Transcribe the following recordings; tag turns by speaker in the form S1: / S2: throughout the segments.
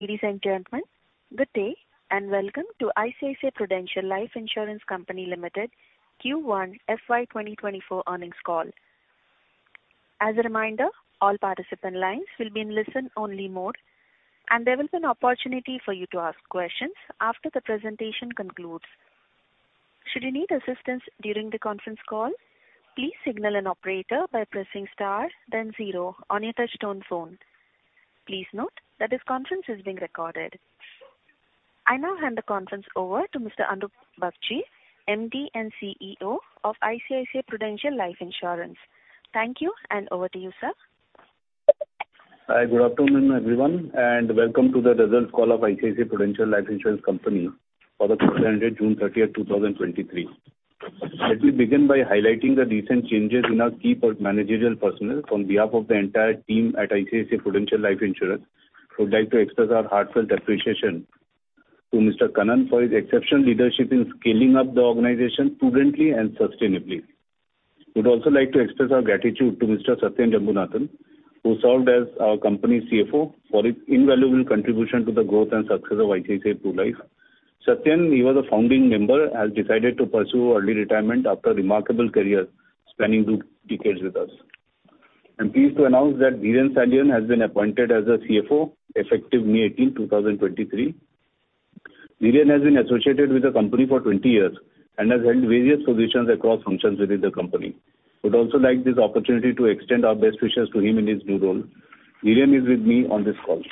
S1: Ladies and gentlemen, good day. Welcome to ICICI Prudential Life Insurance Company Limited Q1 FY 2024 earnings call. As a reminder, all participant lines will be in listen-only mode, and there will be an opportunity for you to ask questions after the presentation concludes. Should you need assistance during the conference call, please signal an operator by pressing star then zero on your touchtone phone. Please note that this conference is being recorded. I now hand the conference over to Mr. Anup Bagchi, MD and CEO of ICICI Prudential Life Insurance. Thank you, and over to you, sir.
S2: Hi, good afternoon, everyone, welcome to the results call of ICICI Prudential Life Insurance Company for the quarter ended June 30th, 2023. Let me begin by highlighting the recent changes in our key managerial personnel. On behalf of the entire team at ICICI Prudential Life Insurance, I would like to express our heartfelt appreciation to Mr. Kannan for his exceptional leadership in scaling up the organization prudently and sustainably. We'd also like to express our gratitude to Mr. Satyan Jambunathan, who served as our company's CFO, for his invaluable contribution to the growth and success of ICICI Pru Life. Satyan, he was a founding member, has decided to pursue early retirement after a remarkable career spanning 2 decades with us. I'm pleased to announce that Dhiren Salian has been appointed as the CFO, effective May 18th, 2023. Dhiren has been associated with the company for 20 years and has held various positions across functions within the company. Would also like this opportunity to extend our best wishes to him in his new role. Dhiren is with me on this call.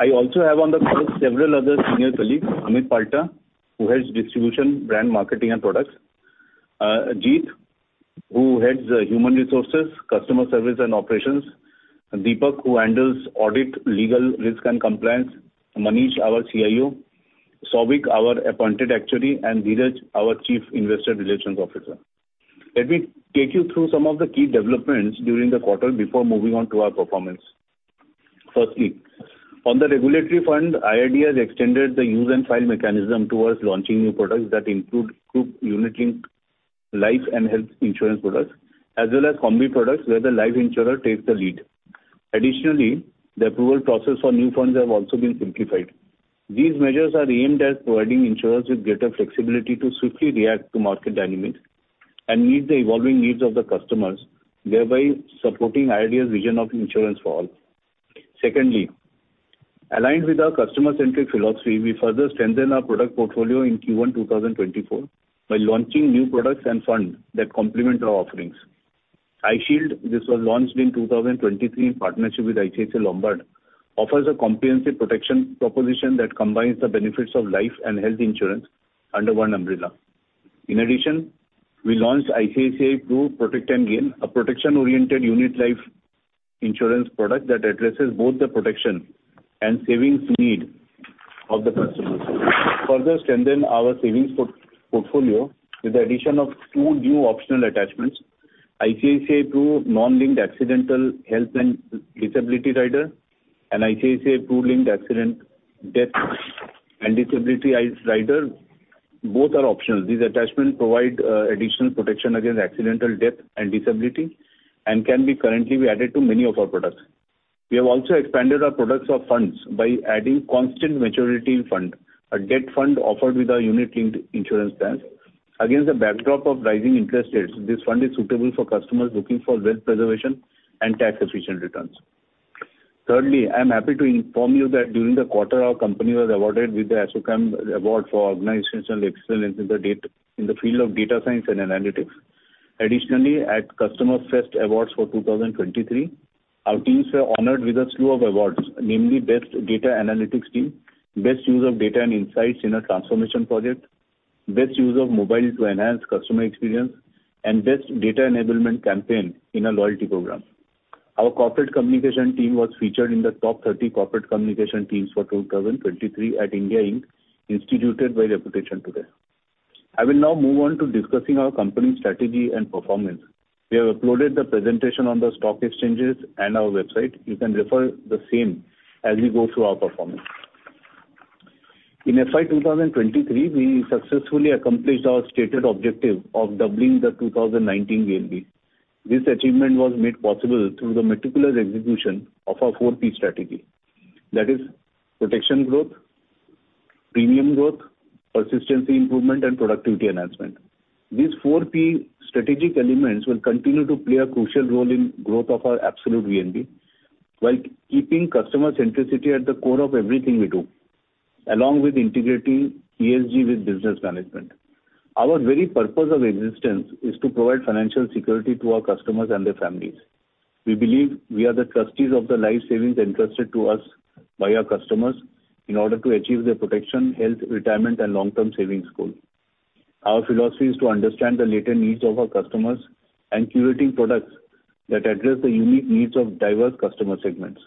S2: I also have on the call several other senior colleagues: Amit Palta, who heads Distribution, Brand, Marketing and Products, Ajeet, who heads Human Resources, Customer Service and Operations, Deepak, who handles Audit, Legal, Risk and Compliance, Manish, our CIO, Souvik, our appointed actuary, and Dhiraj, our Chief Investor Relations Officer. Let me take you through some of the key developments during the quarter before moving on to our performance. Firstly, on the regulatory front, IRDAI has extended the Use and File mechanism towards launching new products that include group unit-linked life and health insurance products, as well as combi products, where the life insurer takes the lead. Additionally, the approval process for new funds have also been simplified. These measures are aimed at providing insurers with greater flexibility to swiftly react to market dynamics and meet the evolving needs of the customers, thereby supporting IRDA's vision of insurance for all. Secondly, aligned with our customer-centric philosophy, we further strengthen our product portfolio in Q1 2024 by launching new products and fund that complement our offerings. iShield, this was launched in 2023 in partnership with ICICI Lombard, offers a comprehensive protection proposition that combines the benefits of life and health insurance under one umbrella. In addition, we launched ICICI Pru Protect and Gain, a protection-oriented unit life insurance product that addresses both the protection and savings need of the customers. To further strengthen our savings portfolio, with the addition of two new optional attachments, ICICI Pru Non-Linked Accidental Death and Disability Rider, and ICICI Pru Linked Accidental Death and Disability Rider. Both are optional. These attachments provide additional protection against accidental death and disability and can be currently be added to many of our products. We have also expanded our products of funds by adding Constant Maturity Fund, a debt fund offered with our unit-linked insurance plans. Against the backdrop of rising interest rates, this fund is suitable for customers looking for wealth preservation and tax-efficient returns. Thirdly, I'm happy to inform you that during the quarter, our company was awarded with the ASSOCHAM Award for Organizational Excellence in the field of data science and analytics. At Customer Fest Awards for 2023, our teams were honored with a slew of awards, namely, Best Data Analytics Team, Best Use of Data and Insights in a Transformation Project, Best Use of Mobile to Enhance Customer Experience, and Best Data Enablement Campaign in a Loyalty Program. Our corporate communication team was featured in the top 30 corporate communication teams for 2023 at India Inc., instituted by Reputation Today. I will now move on to discussing our company's strategy and performance. We have uploaded the presentation on the stock exchanges and our website. You can refer the same as we go through our performance. In FY 2023, we successfully accomplished our stated objective of doubling the 2019 AUM. This achievement was made possible through the meticulous execution of our four P strategy. That is, protection growth, premium growth, persistency improvement, and productivity enhancement. These four P strategic elements will continue to play a crucial role in growth of our absolute VNB, while keeping customer centricity at the core of everything we do, along with integrating ESG with business management. Our very purpose of existence is to provide financial security to our customers and their families. We believe we are the trustees of the life savings entrusted to us by our customers in order to achieve their protection, health, retirement, and long-term savings goals. Our philosophy is to understand the latent needs of our customers and curating products that address the unique needs of diverse customer segments.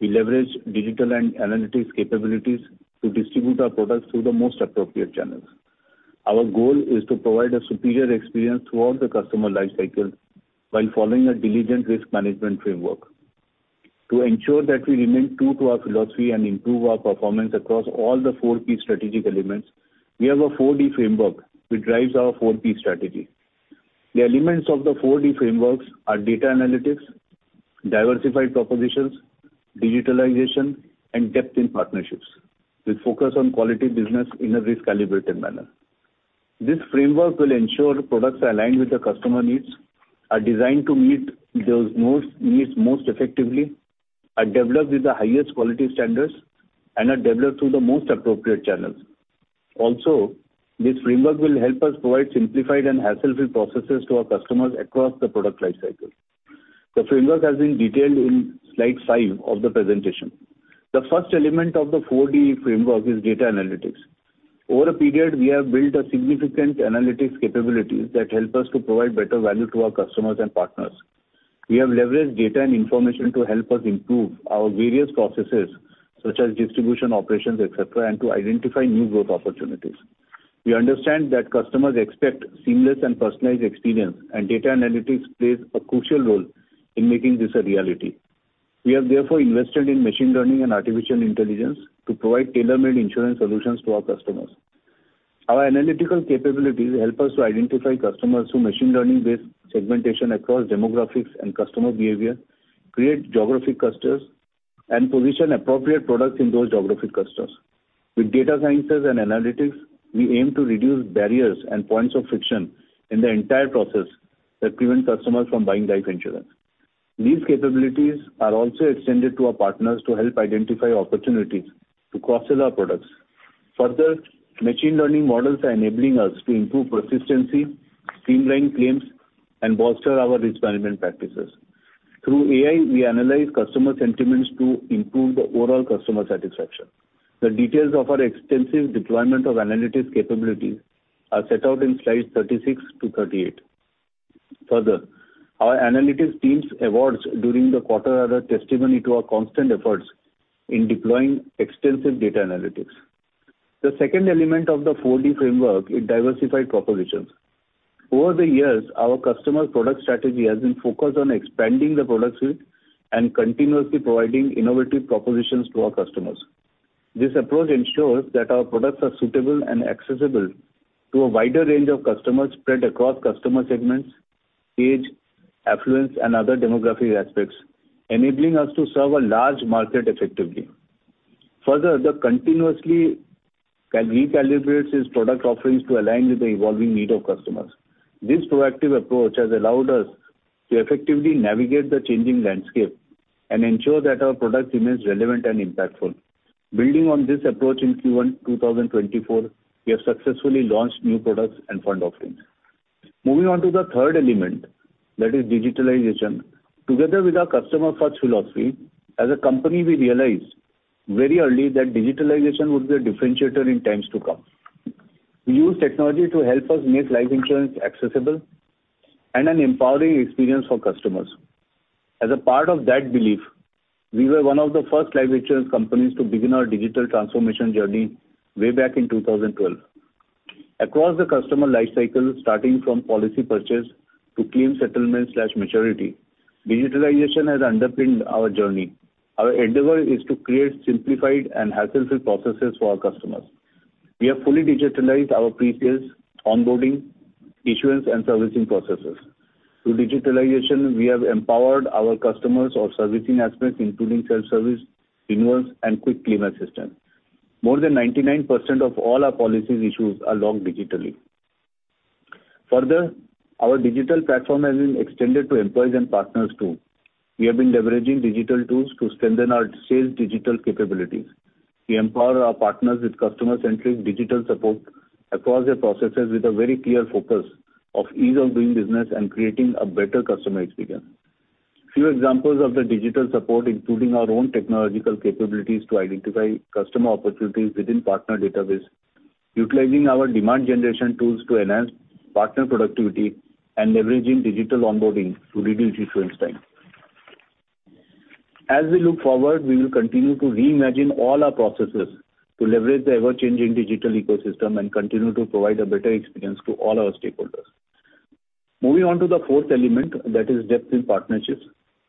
S2: We leverage digital and analytics capabilities to distribute our products through the most appropriate channels. Our goal is to provide a superior experience throughout the customer life cycle while following a diligent risk management framework. To ensure that we remain true to our philosophy and improve our performance across all the four P strategic elements, we have a four D framework, which drives our four P strategy. The elements of the four D frameworks are data analytics, diversified propositions, digitalization, and depth in partnerships, with focus on quality business in a risk-calibrated manner. This framework will ensure products are aligned with the customer needs, are designed to meet those most needs most effectively, are developed with the highest quality standards, and are developed through the most appropriate channels. Also, this framework will help us provide simplified and hassle-free processes to our customers across the product life cycle. The framework has been detailed in slide 5 of the presentation. The first element of the four D framework is data analytics. Over a period, we have built a significant analytics capabilities that help us to provide better value to our customers and partners. We have leveraged data and information to help us improve our various processes, such as distribution, operations, et cetera, and to identify new growth opportunities. We understand that customers expect seamless and personalized experience. Data analytics plays a crucial role in making this a reality. We have therefore invested in machine learning and artificial intelligence to provide tailor-made insurance solutions to our customers. Our analytical capabilities help us to identify customers through machine learning-based segmentation across demographics and customer behavior, create geographic clusters, and position appropriate products in those geographic clusters. With data sciences and analytics, we aim to reduce barriers and points of friction in the entire process that prevent customers from buying life insurance. These capabilities are also extended to our partners to help identify opportunities to cross-sell our products. Machine learning models are enabling us to improve persistency, streamline claims, and bolster our risk management practices. Through AI, we analyze customer sentiments to improve the overall customer satisfaction. The details of our extensive deployment of analytics capabilities are set out in slides 36 to 38. Our analytics teams' awards during the quarter are a testimony to our constant efforts in deploying extensive data analytics. The second element of the four D framework is diversified propositions. Over the years, our customer product strategy has been focused on expanding the product suite and continuously providing innovative propositions to our customers. This approach ensures that our products are suitable and accessible to a wider range of customers spread across customer segments, age, affluence, and other demographic aspects, enabling us to serve a large market effectively. Further, the continuously recalibrates its product offerings to align with the evolving need of customers. This proactive approach has allowed us to effectively navigate the changing landscape and ensure that our product remains relevant and impactful. Building on this approach in Q1 2024, we have successfully launched new products and fund offerings. Moving on to the third element, that is digitalization. Together with our customer-first philosophy, as a company, we realized very early that digitalization would be a differentiator in times to come. We use technology to help us make life insurance accessible and an empowering experience for customers. As a part of that belief, we were one of the first life insurance companies to begin our digital transformation journey way back in 2012. Across the customer life cycle, starting from policy purchase to claim settlement/maturity, digitalization has underpinned our journey. Our endeavor is to create simplified and hassle-free processes for our customers. We have fully digitalized our pre-sales, onboarding, issuance, and servicing processes. Through digitalization, we have empowered our customers on servicing aspects, including self-service, renewals, and quick claim assistance. More than 99% of all our policies issued are logged digitally. Our digital platform has been extended to employees and partners, too. We have been leveraging digital tools to strengthen our sales digital capabilities. We empower our partners with customer-centric digital support across their processes, with a very clear focus of ease of doing business and creating a better customer experience. Few examples of the digital support, including our own technological capabilities, to identify customer opportunities within partner database, utilizing our demand generation tools to enhance partner productivity, and leveraging digital onboarding to reduce issuance time. As we look forward, we will continue to reimagine all our processes to leverage the ever-changing digital ecosystem and continue to provide a better experience to all our stakeholders. Moving on to the fourth element, that is depth in partnerships.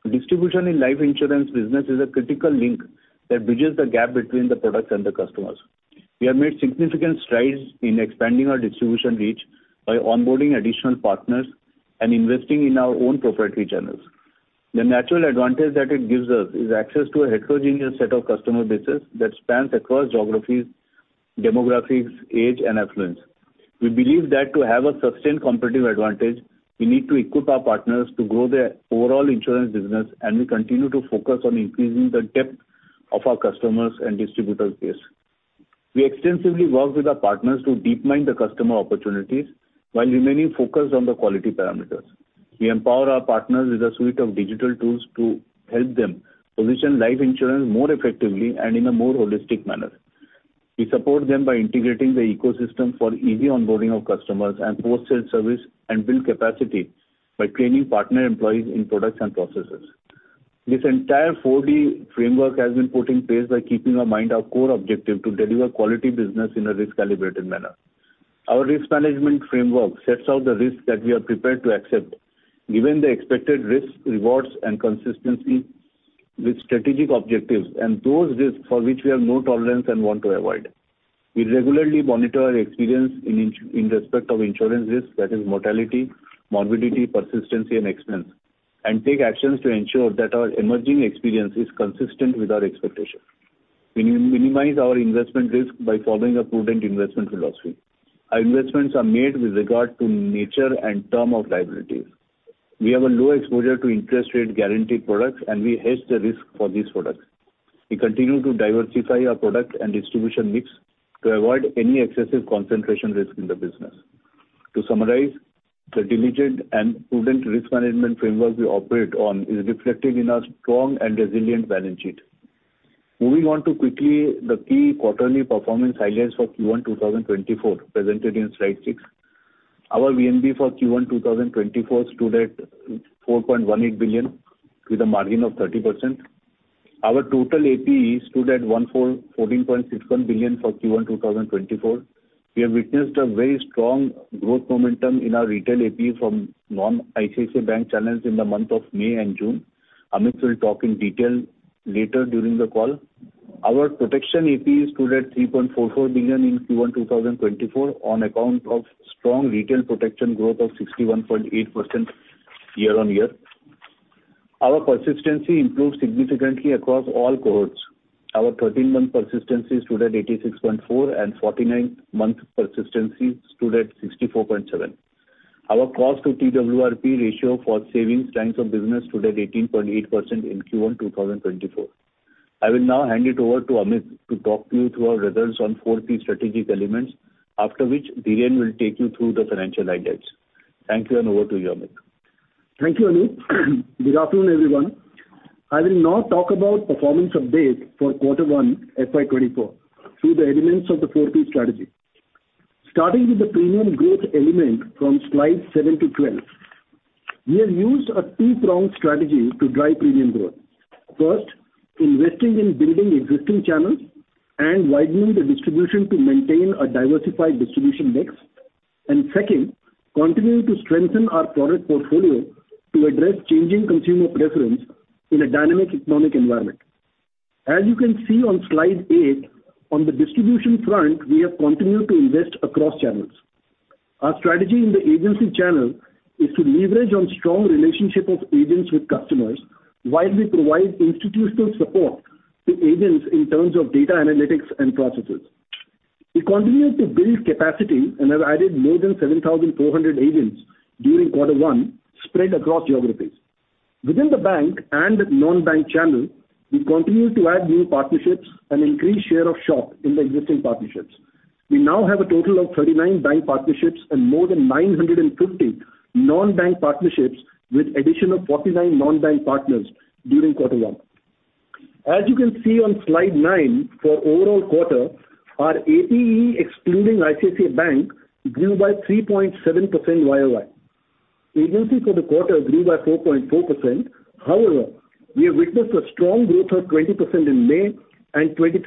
S2: Distribution in life insurance business is a critical link that bridges the gap between the products and the customers. We have made significant strides in expanding our distribution reach by onboarding additional partners and investing in our own proprietary channels. The natural advantage that it gives us is access to a heterogeneous set of customer bases that spans across geographies, demographics, age, and affluence. We believe that to have a sustained competitive advantage, we need to equip our partners to grow their overall insurance business, and we continue to focus on increasing the depth of our customers and distributors base. We extensively work with our partners to deep mine the customer opportunities while remaining focused on the quality parameters. We empower our partners with a suite of digital tools to help them position life insurance more effectively and in a more holistic manner. We support them by integrating the ecosystem for easy onboarding of customers and post-sales service, and build capacity by training partner employees in products and processes. This entire four D framework has been put in place by keeping in mind our core objective to deliver quality business in a risk-calibrated manner. Our risk management framework sets out the risks that we are prepared to accept, given the expected risks, rewards, and consistency with strategic objectives, and those risks for which we have no tolerance and want to avoid. We regularly monitor our experience in respect of insurance risk, that is mortality, morbidity, persistency, and expense, and take actions to ensure that our emerging experience is consistent with our expectations. We minimize our investment risk by following a prudent investment philosophy. Our investments are made with regard to nature and term of liabilities. We have a low exposure to interest rate guaranteed products, and we hedge the risk for these products. We continue to diversify our product and distribution mix to avoid any excessive concentration risk in the business. To summarize, the diligent and prudent risk management framework we operate on is reflected in our strong and resilient balance sheet. Moving on to the key quarterly performance highlights for Q1, 2024, presented in slide 6. Our VNB for Q1, 2024, stood at 4.18 billion, with a margin of 30%. Our total APE stood at 14.61 billion for Q1, 2024. We have witnessed a very strong growth momentum in our retail APE from non-ICICI Bank channels in the month of May and June. Amit will talk in detail later during the call. Our protection APE stood at 3.44 billion in Q1, 2024, on account of strong retail protection growth of 61.8% year-on-year. Our persistency improved significantly across all cohorts. Our 13-month persistency stood at 86.4%, and 49-month persistency stood at 64.7%. Our cost to TWRP ratio for savings lines of business stood at 18.8% in Q1 2024. I will now hand it over to Amit to talk you through our results on four P strategic elements, after which Dhiren will take you through the financial highlights. Thank you, over to you, Amit.
S3: Thank you, Anup. Good afternoon, everyone. I will now talk about performance updates for quarter 1, FY 2024, through the elements of the four P strategy. Starting with the premium growth element from slide 7-12, we have used a two-pronged strategy to drive premium growth. First, investing in building existing channels and widening the distribution to maintain a diversified distribution mix. Second, continuing to strengthen our product portfolio to address changing consumer preference in a dynamic economic environment. As you can see on slide 8, on the distribution front, we have continued to invest across channels. Our strategy in the agency channel is to leverage on strong relationship of agents with customers, while we provide institutional support to agents in terms of data analytics and processes. We continue to build capacity and have added more than 7,400 agents during quarter 1, spread across geographies. Within the bank and non-bank channel, we continue to add new partnerships and increase share of shop in the existing partnerships. We now have a total of 39 bank partnerships and more than 950 non-bank partnerships, with addition of 49 non-bank partners during quarter one. As you can see on slide 9, for overall quarter, our APE, excluding ICICI Bank, grew by 3.7% YOY. Agency for the quarter grew by 4.4%. We have witnessed a strong growth of 20% in May and 23%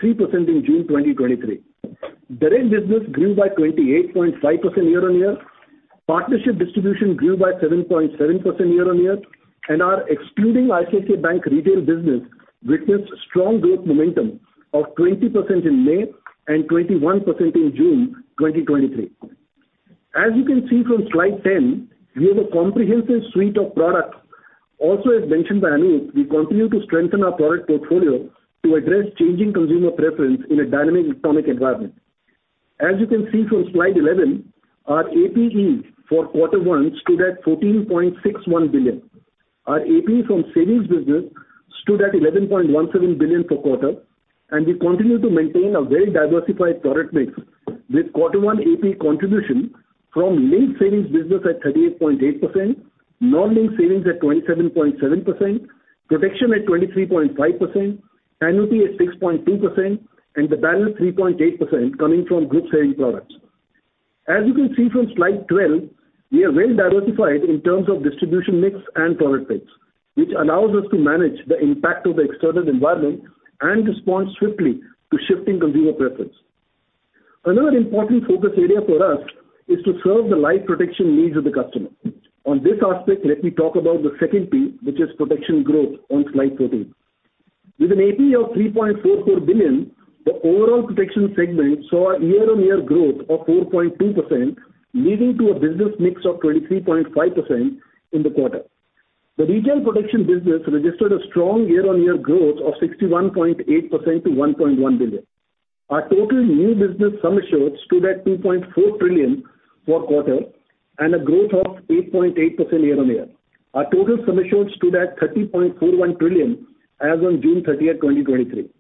S3: in June 2023. Direct business grew by 28.5% year-on-year. Partnership distribution grew by 7.7% year-on-year, our excluding ICICI Bank retail business witnessed strong growth momentum of 20% in May and 21% in June 2023. As you can see from slide 10, we have a comprehensive suite of products. As mentioned by Anup, we continue to strengthen our product portfolio to address changing consumer preference in a dynamic economic environment. As you can see from slide 11, our APE for quarter one stood at 14.61 billion. Our APE from savings business stood at 11.17 billion for quarter, and we continue to maintain a very diversified product mix, with quarter one APE contribution from linked savings business at 38.8%, non-linked savings at 27.7%, protection at 23.5%, annuity at 6.2%, and the balance 3.8% coming from group savings products. As you can see from slide 12, we are well diversified in terms of distribution mix and product mix, which allows us to manage the impact of the external environment and respond swiftly to shifting consumer preference. Another important focus area for us is to serve the life protection needs of the customer. On this aspect, let me talk about the second P, which is protection growth, on slide 13. With an APE of 3.44 billion, the overall protection segment saw a year-on-year growth of 4.2%, leading to a business mix of 23.5% in the quarter. The retail protection business registered a strong year-on-year growth of 61.8% to 1.1 billion. Our total new business sum assured stood at 2.4 trillion for quarter, and a growth of 8.8% year-on-year. Our total sum assured stood at 30.41 trillion as on June 30, 2023.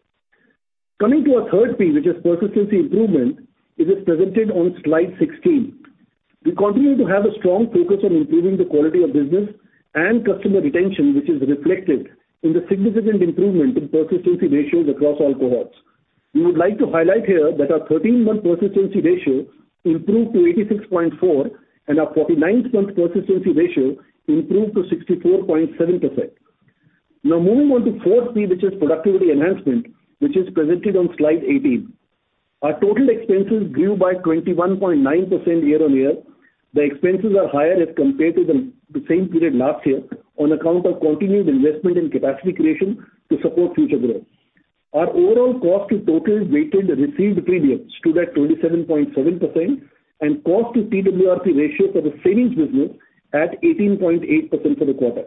S3: Coming to our third P, which is persistency improvement, it is presented on slide 16. We continue to have a strong focus on improving the quality of business and customer retention, which is reflected in the significant improvement in persistency ratios across all cohorts. We would like to highlight here that our 13-month persistency ratio improved to 86.4, and our 49-month persistency ratio improved to 64.7%. Now moving on to fourth P, which is productivity enhancement, which is presented on slide 18. Our total expenses grew by 21.9% year-on-year. The expenses are higher as compared to the same period last year, on account of continued investment in capacity creation to support future growth. Our overall cost to total weighted received premiums stood at 27.7%, and cost to TWRP ratio for the savings business at 18.8% for the quarter.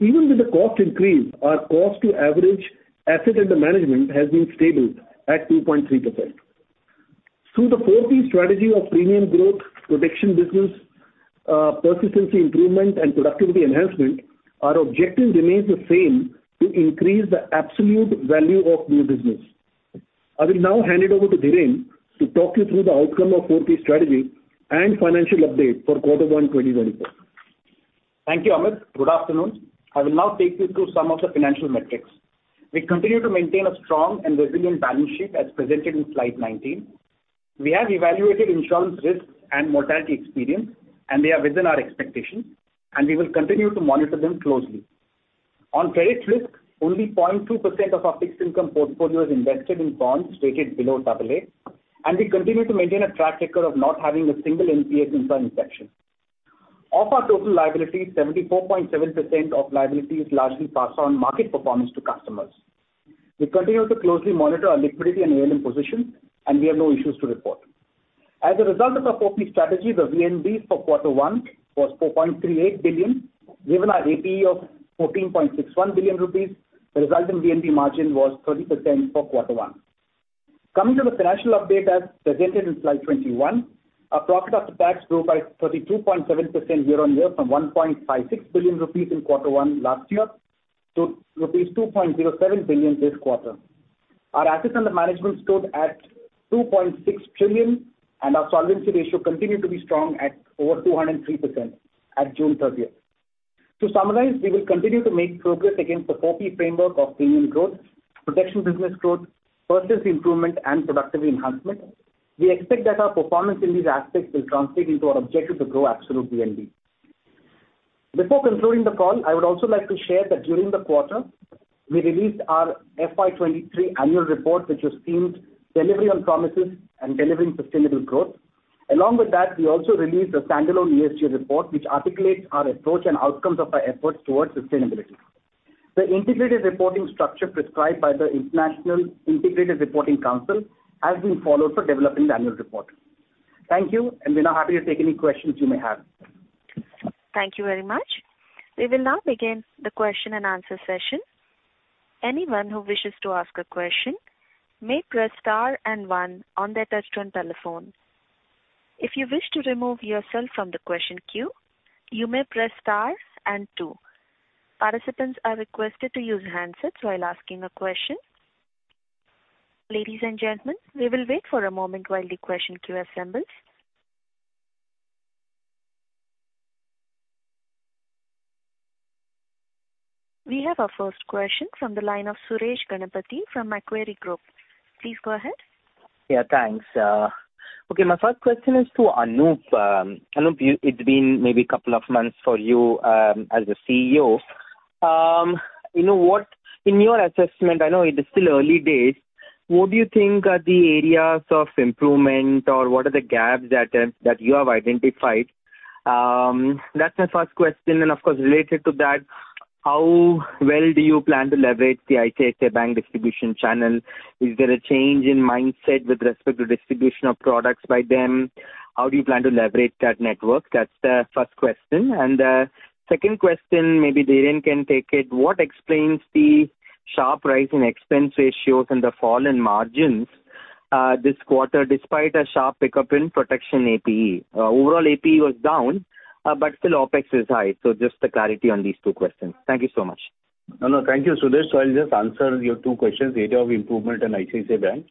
S3: Even with the cost increase, our cost to average asset under management has been stable at 2.3%. Through the four key strategy of premium growth, protection business, persistency improvement and productivity enhancement, our objective remains the same, to increase the absolute value of new business. I will now hand it over to Dhiren to talk you through the outcome of four key strategy and financial update for quarter one, 2024.
S4: Thank you, Amit. Good afternoon. I will now take you through some of the financial metrics. We continue to maintain a strong and resilient balance sheet as presented in slide 19. We have evaluated insurance risks and mortality experience, and they are within our expectations, and we will continue to monitor them closely. On credit risk, only 0.2% of our fixed income portfolio is invested in bonds rated below AA, and we continue to maintain a track record of not having a single NPA in current section. Of our total liability, 74.7% of liability is largely passed on market performance to customers. We continue to closely monitor our liquidity and ALM position, and we have no issues to report. As a result of our four key strategy, the VNB for quarter one was 4.38 billion, given our APE of 14.61 billion rupees, the resulting VNB margin was 30% for quarter one. Coming to the financial update as presented in slide 21, our profit after tax grew by 32.7% year-on-year from 1.56 billion rupees in quarter one last year, to rupees 2.07 billion this quarter. Our assets under management stood at 2.6 trillion, our solvency ratio continued to be strong at over 203% at June 30th. To summarize, we will continue to make progress against the four key framework of premium growth, protection business growth, persist improvement and productivity enhancement. We expect that our performance in these aspects will translate into our objective to grow absolute VNB. Before concluding the call, I would also like to share that during the quarter, we released our FY 23 annual report, which was themed: Delivery on Promises and Delivering Sustainable Growth. Along with that, we also released a standalone ESG report, which articulates our approach and outcomes of our efforts towards sustainability. The integrated reporting structure prescribed by the International Integrated Reporting Council has been followed for developing the annual report. Thank you. We're now happy to take any questions you may have.
S1: Thank you very much. We will now begin the question and answer session. Anyone who wishes to ask a question, may press star and one on their touchtone telephone. If you wish to remove yourself from the question queue, you may press star and two. Participants are requested to use handsets while asking a question. Ladies and gentlemen, we will wait for a moment while the question queue assembles. We have our first question from the line of Suresh Ganapathy from Macquarie Group. Please go ahead.
S5: Yeah, thanks. Okay, my first question is to Anup. Anup, it's been maybe a couple of months for you as a CEO. You know what, in your assessment, I know it is still early days, what do you think are the areas of improvement, or what are the gaps that you have identified? That's my first question. Of course, related to that, how well do you plan to leverage the ICICI Bank distribution channel? Is there a change in mindset with respect to distribution of products by them? How do you plan to leverage that network? That's the first question. Second question, maybe Dhiren can take it: What explains the sharp rise in expense ratios and the fall in margins this quarter, despite a sharp pickup in protection APE? Overall APE was down. Still OpEx is high. Just the clarity on these two questions. Thank you so much.
S2: No, thank you, Suresh. I'll just answer your two questions, area of improvement in ICICI Bank.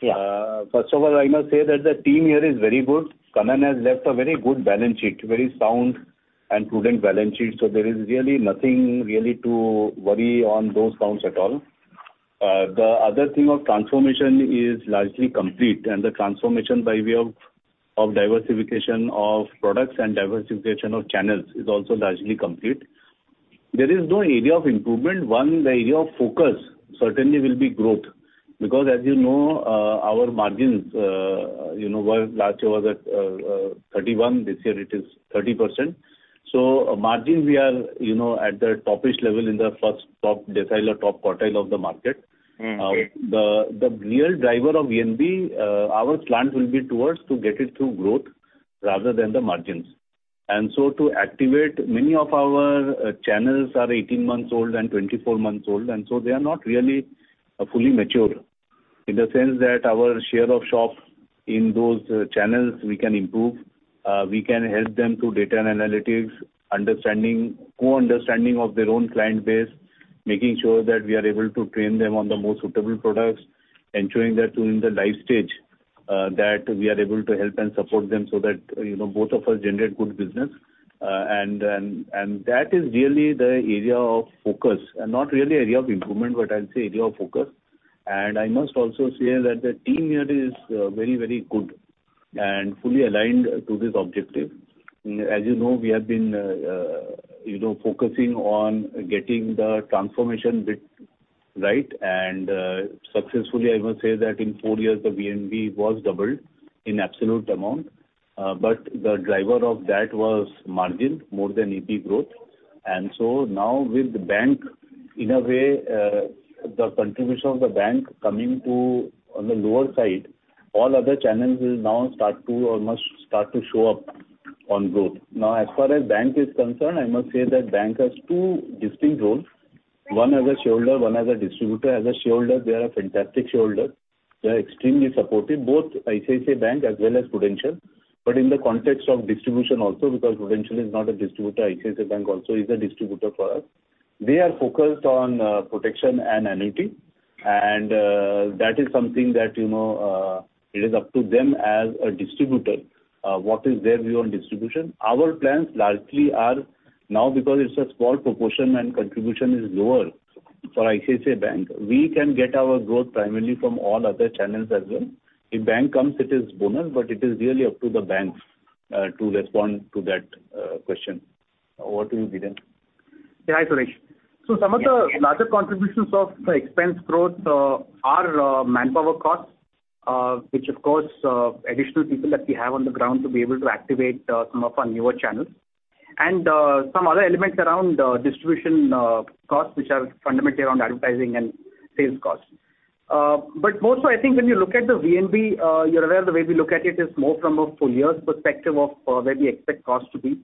S5: Yeah.
S2: First of all, I must say that the team here is very good. Kannan has left a very good balance sheet, very sound and prudent balance sheet. There is really nothing really to worry on those counts at all. The other thing of transformation is largely complete, and the transformation by way of diversification of products and diversification of channels is also largely complete. There is no area of improvement. One, the area of focus certainly will be growth, because as you know, our margins, you know, were largely was at 31, this year it is 30%. Margins, we are, you know, at the toppish level in the first top decile or top quartile of the market.
S5: Mm-hmm.
S2: The real driver of VNB, our plan will be towards to get it through growth rather than the margins. To activate, many of our channels are 18 months old and 24 months old, so they are not really fully mature, in the sense that our share of shops in those channels we can improve. We can help them through data and analytics, co-understanding of their own client base, making sure that we are able to train them on the most suitable products, ensuring that during the life stage, that we are able to help and support them so that, you know, both of us generate good business. That is really the area of focus and not really area of improvement, but I'll say area of focus. I must also say that the team here is very, very good and fully aligned to this objective. As you know, we have been, you know, focusing on getting the transformation right, and successfully, I must say that in four years, the VNB was doubled in absolute amount, but the driver of that was margin more than EP growth. With the bank, in a way, the contribution of the bank coming to on the lower side, all other channels will now start to or must start to show up on growth. As far as bank is concerned, I must say that bank has two distinct roles: one as a shareholder, one as a distributor. As a shareholder, they are a fantastic shareholder. They are extremely supportive, both ICICI Bank as well as Prudential. In the context of distribution also, because Prudential is not a distributor, ICICI Bank also is a distributor for us. They are focused on protection and annuity, and that is something that, you know, it is up to them as a distributor, what is their view on distribution. Our plans largely are now because it's a small proportion and contribution is lower for ICICI Bank, we can get our growth primarily from all other channels as well. If bank comes, it is bonus, but it is really up to the banks to respond to that question. Over to you, Dhiren.
S4: Hi, Suresh. Some of the larger contributions of the expense growth are manpower costs, which of course, additional people that we have on the ground to be able to activate some of our newer channels. Some other elements around distribution costs, which are fundamentally around advertising and sales costs. Mostly, I think when you look at the VNB, you're aware the way we look at it is more from a full year perspective of where we expect costs to be.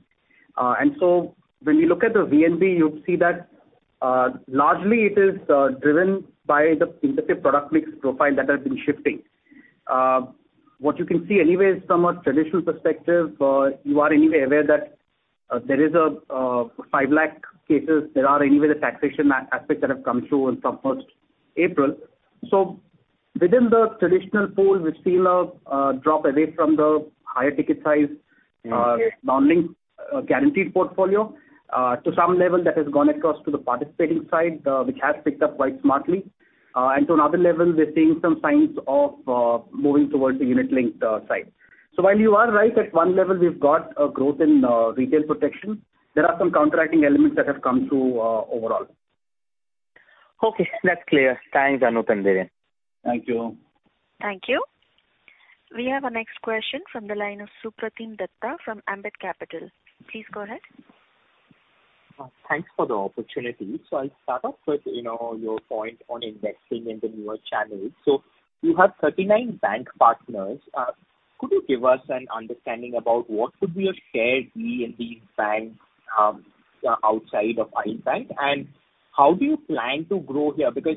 S4: When we look at the VNB, you see that largely it is driven by the indicative product mix profile that has been shifting. What you can see anyway is from a traditional perspective, you are anyway aware that there is a 5 lakh cases. There are anyway the taxation aspects that have come through from 1st April. Within the traditional pool, we've seen a drop away from the higher ticket size, non-linked, guaranteed portfolio, to some level that has gone across to the participating side, which has picked up quite smartly. To another level, we're seeing some signs of moving towards the unit-linked side. While you are right, at one level, we've got a growth in retail protection, there are some counteracting elements that have come through overall.
S5: Okay, that's clear. Thanks, Anup and Dhiren.
S2: Thank you.
S1: Thank you. We have our next question from the line of Supratim Datta from Ambit Capital. Please go ahead.
S6: Thanks for the opportunity. I'll start off with, you know, your point on investing in the newer channels. You have 39 bank partners. Could you give us an understanding about what could be a share VNB bank, outside of ICICI Bank, and how do you plan to grow here? Because,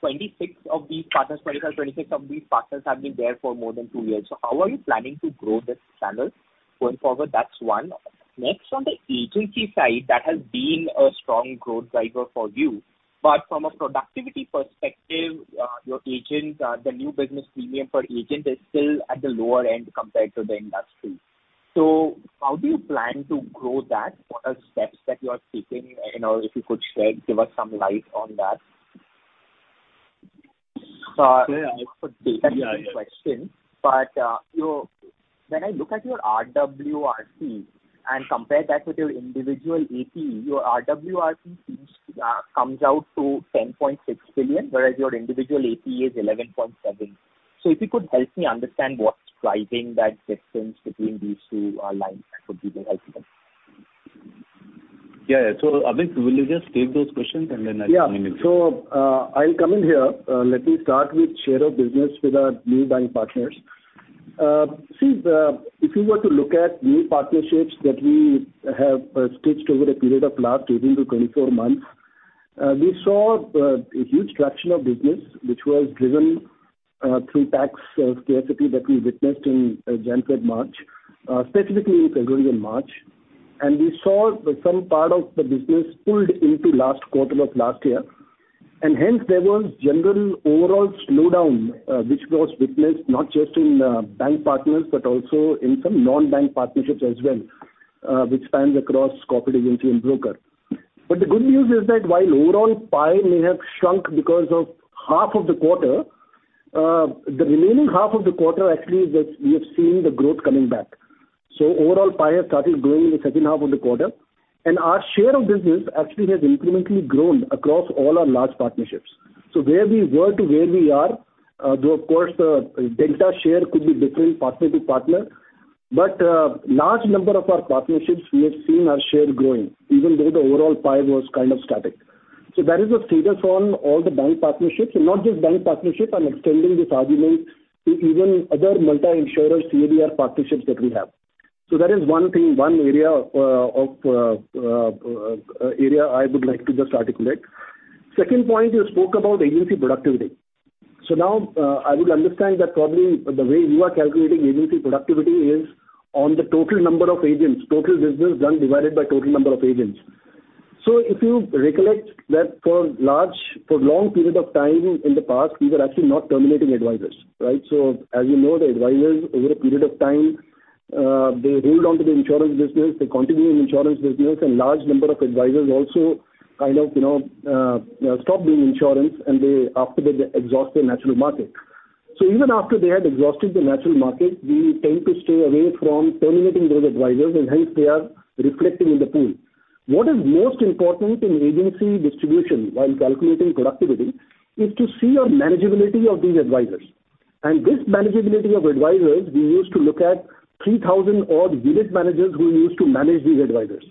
S6: 26 of these partners, 25, 26 of these partners have been there for more than two years. How are you planning to grow this channel going forward? That's one. Next, on the agency side, that has been a strong growth driver for you. From a productivity perspective, your agents, the new business premium per agent is still at the lower end compared to the industry. How do you plan to grow that? What are the steps that you are taking, you know, if you could share, give us some light on that.
S2: Yeah, yeah.
S6: For data question, your when I look at your RWRP and compare that with your individual APE, your RWRP seems, comes out to 10.6 billion, whereas your individual APE is 11.7 billion. If you could help me understand what's driving that difference between these two lines, that would be very helpful.
S2: Yeah. Amit, will you just take those questions, and then I'll come in?
S3: Yeah. I'll come in here. Let me start with share of business with our new bank partners. See if you were to look at new partnerships that we have stitched over a period of last 18-24 months, we saw a huge traction of business, which was driven through tax scarcity that we witnessed in January to March, specifically February and March. We saw that some part of the business pulled into last quarter of last year, and hence there was general overall slowdown, which was witnessed not just in bank partners, but also in some non-bank partnerships as well, which spans across corporate agency and broker. The good news is that while overall pie may have shrunk because of half of the quarter, the remaining half of the quarter, actually, that we have seen the growth coming back. Overall, pie has started growing in the second half of the quarter, and our share of business actually has incrementally grown across all our large partnerships. Where we were to where we are, though, of course, the delta share could be different partner to partner, but large number of our partnerships, we have seen our share growing, even though the overall pie was kind of static. That is the status on all the bank partnerships, and not just bank partnerships. I'm extending this argument to even other multi-insurer CDR partnerships that we have. That is one thing, one area I would like to just articulate. Second point, you spoke about agency productivity. Now, I would understand that probably the way you are calculating agency productivity is on the total number of agents, total business done, divided by total number of agents. If you recollect that for long period of time in the past, we were actually not terminating advisors, right? As you know, the advisors over a period of time, they held on to the insurance business, they continue in insurance business, and large number of advisors also kind of, you know, stop doing insurance, after they exhaust their natural market.... Even after they had exhausted the natural market, we tend to stay away from terminating those advisors, and hence they are reflected in the pool. What is most important in agency distribution while calculating productivity, is to see our manageability of these advisors. This manageability of advisors, we used to look at 3,000 odd unit managers who used to manage these advisors.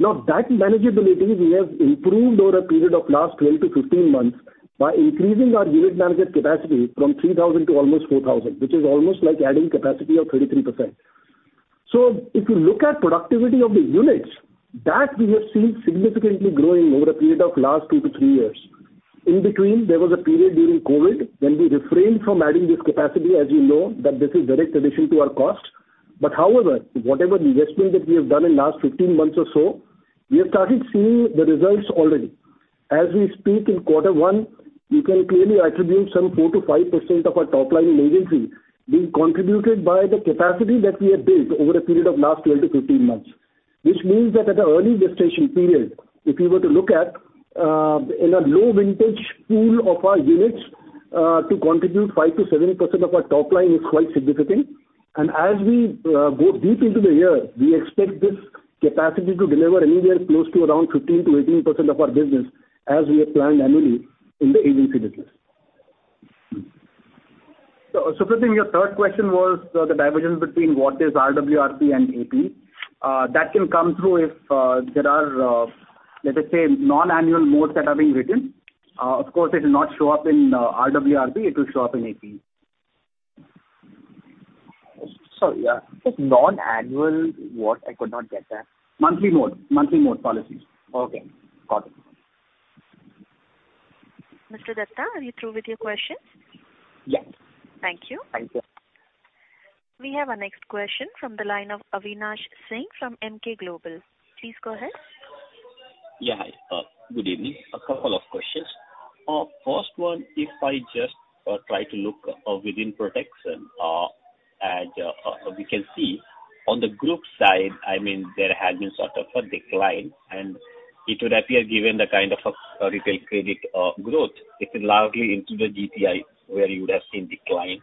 S3: That manageability we have improved over a period of last 12-15 months by increasing our unit manager capacity from 3,000 to almost 4,000, which is almost like adding capacity of 33%. If you look at productivity of the units, that we have seen significantly growing over a period of last two to three years. In between, there was a period during COVID, when we refrained from adding this capacity, as you know, that this is direct addition to our cost. However, whatever investment that we have done in last 15 months or so, we have started seeing the results already. As we speak in quarter one, we can clearly attribute some 4%-5% of our top line in agency being contributed by the capacity that we have built over a period of last 12-15 months. Which means that at an early gestation period, if you were to look at, in a low vintage pool of our units, to contribute 5%-7% of our top line is quite significant. As we go deep into the year, we expect this capacity to deliver anywhere close to around 15%-18% of our business as we have planned annually in the agency business.
S4: Supratim, your third question was the divergence between what is RWRP and AP. That can come through if there are, let us say, non-annual modes that are being written. Of course, it will not show up in RWRP, it will show up in AP.
S6: Sorry, just non-annual, what? I could not get that.
S4: Monthly mode. Monthly mode policies.
S6: Okay, got it.
S1: Mr. Datta, are you through with your questions?
S6: Yes.
S1: Thank you.
S6: Thank you.
S1: We have our next question from the line of Avinash Singh from Emkay Global. Please go ahead.
S7: Yeah, hi, good evening. A couple of questions. First one, if I just try to look within protection, as we can see on the group side, I mean, there has been sort of a decline, and it would appear, given the kind of a retail credit growth, it is largely into the GTI, where you would have seen decline.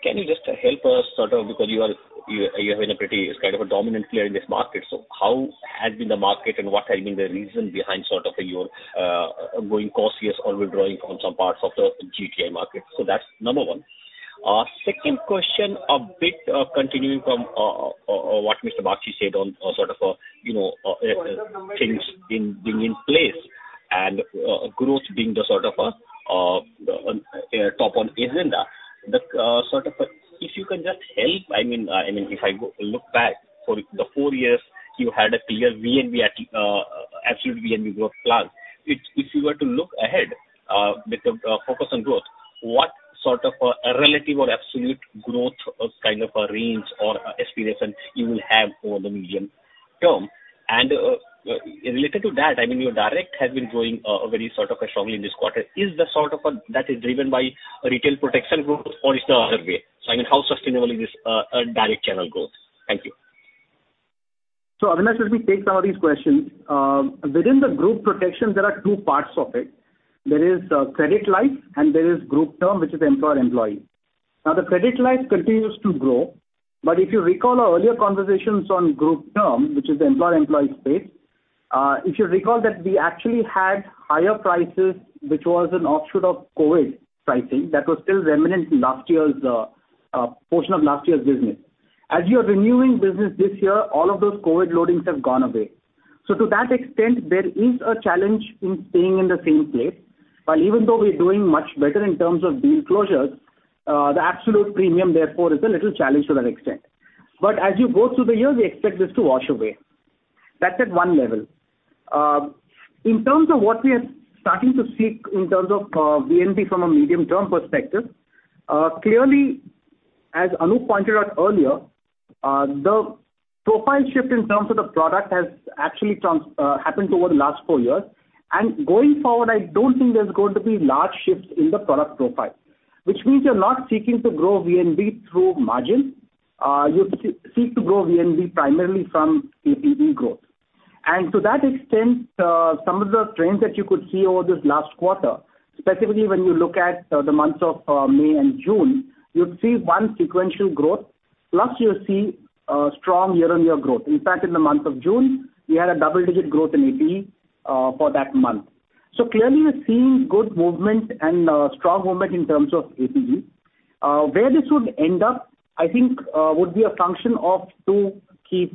S7: Can you just help us sort of because you have been a pretty, kind of a dominant player in this market, so how has been the market and what has been the reason behind sort of your going cautious or withdrawing from some parts of the GTI market? That's number one. Second question, a bit continuing from what Mr. Bagchi said on, sort of, you know, things being in place and growth being the sort of, top on agenda. The sort of, if you can just help, I mean, if I look back for the four years, you had a clear VNB, absolute VNB growth plan. If you were to look ahead, with the focus on growth, what sort of, relative or absolute growth of kind of a range or expectation you will have over the medium term? Related to that, I mean, your direct has been growing very sort of strongly in this quarter. Is the sort of, that is driven by retail protection growth or is the other way? I mean, how sustainable is this direct channel growth? Thank you.
S4: Avinash, let me take some of these questions. Within the group protection, there are two parts of it. There is credit life, and there is group term, which is employer-employee. The credit life continues to grow, if you recall our earlier conversations on group term, which is the employer-employee space, if you recall that we actually had higher prices, which was an offshoot of COVID pricing, that was still remnant in last year's portion of last year's business. As you are renewing business this year, all of those COVID loadings have gone away. To that extent, there is a challenge in staying in the same place. While even though we're doing much better in terms of deal closures, the absolute premium, therefore, is a little challenged to that extent. As you go through the year, we expect this to wash away. That's at one level. In terms of what we are starting to see in terms of VNB from a medium-term perspective, clearly, as Anup pointed out earlier, the profile shift in terms of the product has actually happened over the last four years. Going forward, I don't think there's going to be large shifts in the product profile, which means you're not seeking to grow VNB through margin. You seek to grow VNB primarily from APE growth. To that extent, some of the trends that you could see over this last quarter, specifically when you look at the months of May and June, you'd see one, sequential growth, plus you'll see strong year-on-year growth. In fact, in the month of June, we had a double-digit growth in AP for that month. Clearly we're seeing good movement and strong movement in terms of APE. Where this would end up, I think, would be a function of two key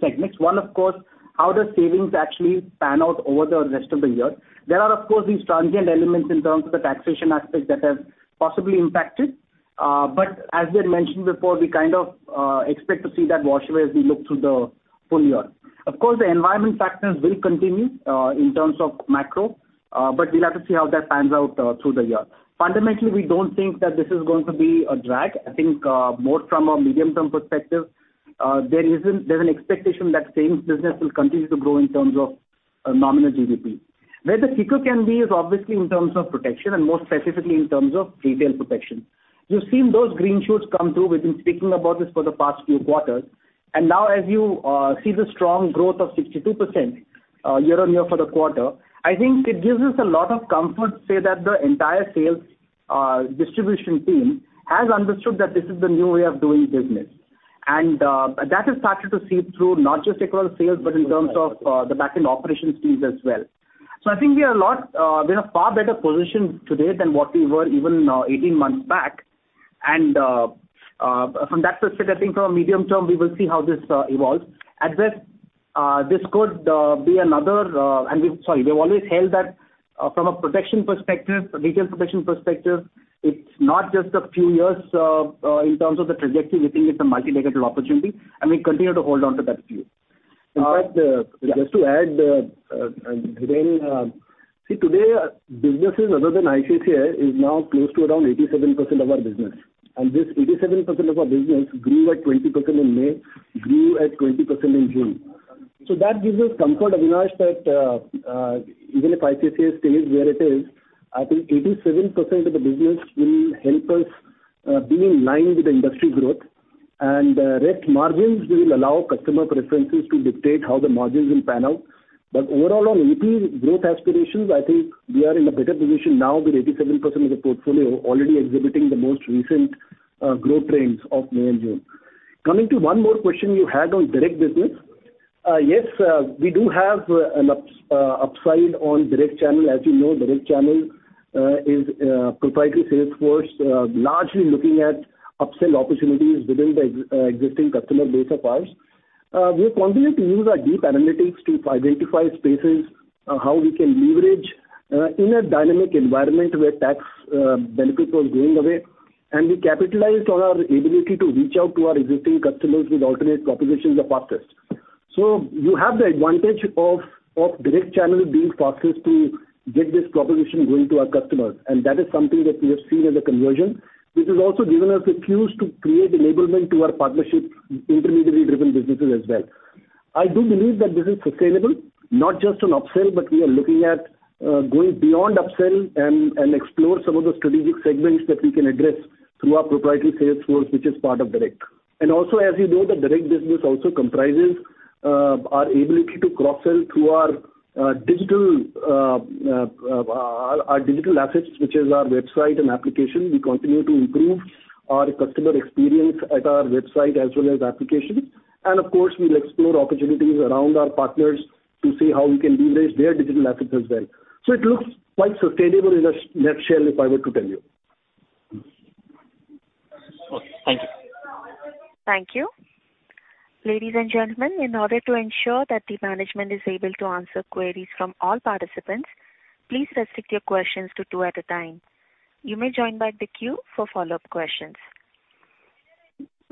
S4: segments. One, of course, how does savings actually pan out over the rest of the year? There are, of course, these transient elements in terms of the taxation aspect that have possibly impacted. As we had mentioned before, we kind of expect to see that wash away as we look through the full year. Of course, the environment factors will continue in terms of macro, but we'll have to see how that pans out through the year. Fundamentally, we don't think that this is going to be a drag. I think, more from a medium-term perspective, there's an expectation that same business will continue to grow in terms of nominal GDP. Where the seeker can be is obviously in terms of protection, and more specifically in terms of retail protection. You've seen those green shoots come through. We've been speaking about this for the past few quarters, and now as you see the strong growth of 62% year-on-year for the quarter, I think it gives us a lot of comfort to say that the entire sales distribution team has understood that this is the new way of doing business. That has started to seep through, not just across sales, but in terms of the back-end operations teams as well. I think we are a lot, we're in a far better position today than what we were even 18 months back. From that perspective, I think from a medium term, we will see how this evolves. At best, this could be another. We've always held that, from a protection perspective, a retail protection perspective, it's not just a few years in terms of the trajectory. We think it's a multi-decadal opportunity, and we continue to hold on to that view. Yeah.
S3: In fact, just to add, Dhiren, see, today, businesses other than ICICI is now close to around 87% of our business, this 87% of our business grew at 20% in May, grew at 20% in June. That gives us comfort, Avinash, that even if ICICI stays where it is, I think 87% of the business will help us be in line with the industry growth. rest margins will allow customer preferences to dictate how the margins will pan out. overall, on AP growth aspirations, I think we are in a better position now with 87% of the portfolio already exhibiting the most recent growth rates of May and June. Coming to one more question you had on direct business. Yes, we do have an upside on direct channel. As you know, direct channel is proprietary sales force, largely looking at upsell opportunities within the existing customer base of ours. We continue to use our deep analytics to identify spaces, how we can leverage in a dynamic environment where tax benefit was going away, and we capitalized on our ability to reach out to our existing customers with alternate propositions of fastest. You have the advantage of direct channel being fastest to get this proposition going to our customers, and that is something that we have seen as a conversion. This has also given us a fuse to create enablement to our partnerships, intermediarily driven businesses as well. I do believe that this is sustainable, not just on upsell, but we are looking at going beyond upsell and explore some of the strategic segments that we can address through our proprietary sales force, which is part of direct. Also, as you know, the direct business also comprises our ability to cross-sell through our digital, our digital assets, which is our website and application. We continue to improve our customer experience at our website as well as application. Of course, we'll explore opportunities around our partners to see how we can leverage their digital assets as well. It looks quite sustainable in a nutshell, if I were to tell you.
S7: Okay. Thank you.
S1: Thank you. Ladies and gentlemen, in order to ensure that the management is able to answer queries from all participants, please restrict your questions to two at a time. You may join back the queue for follow-up questions.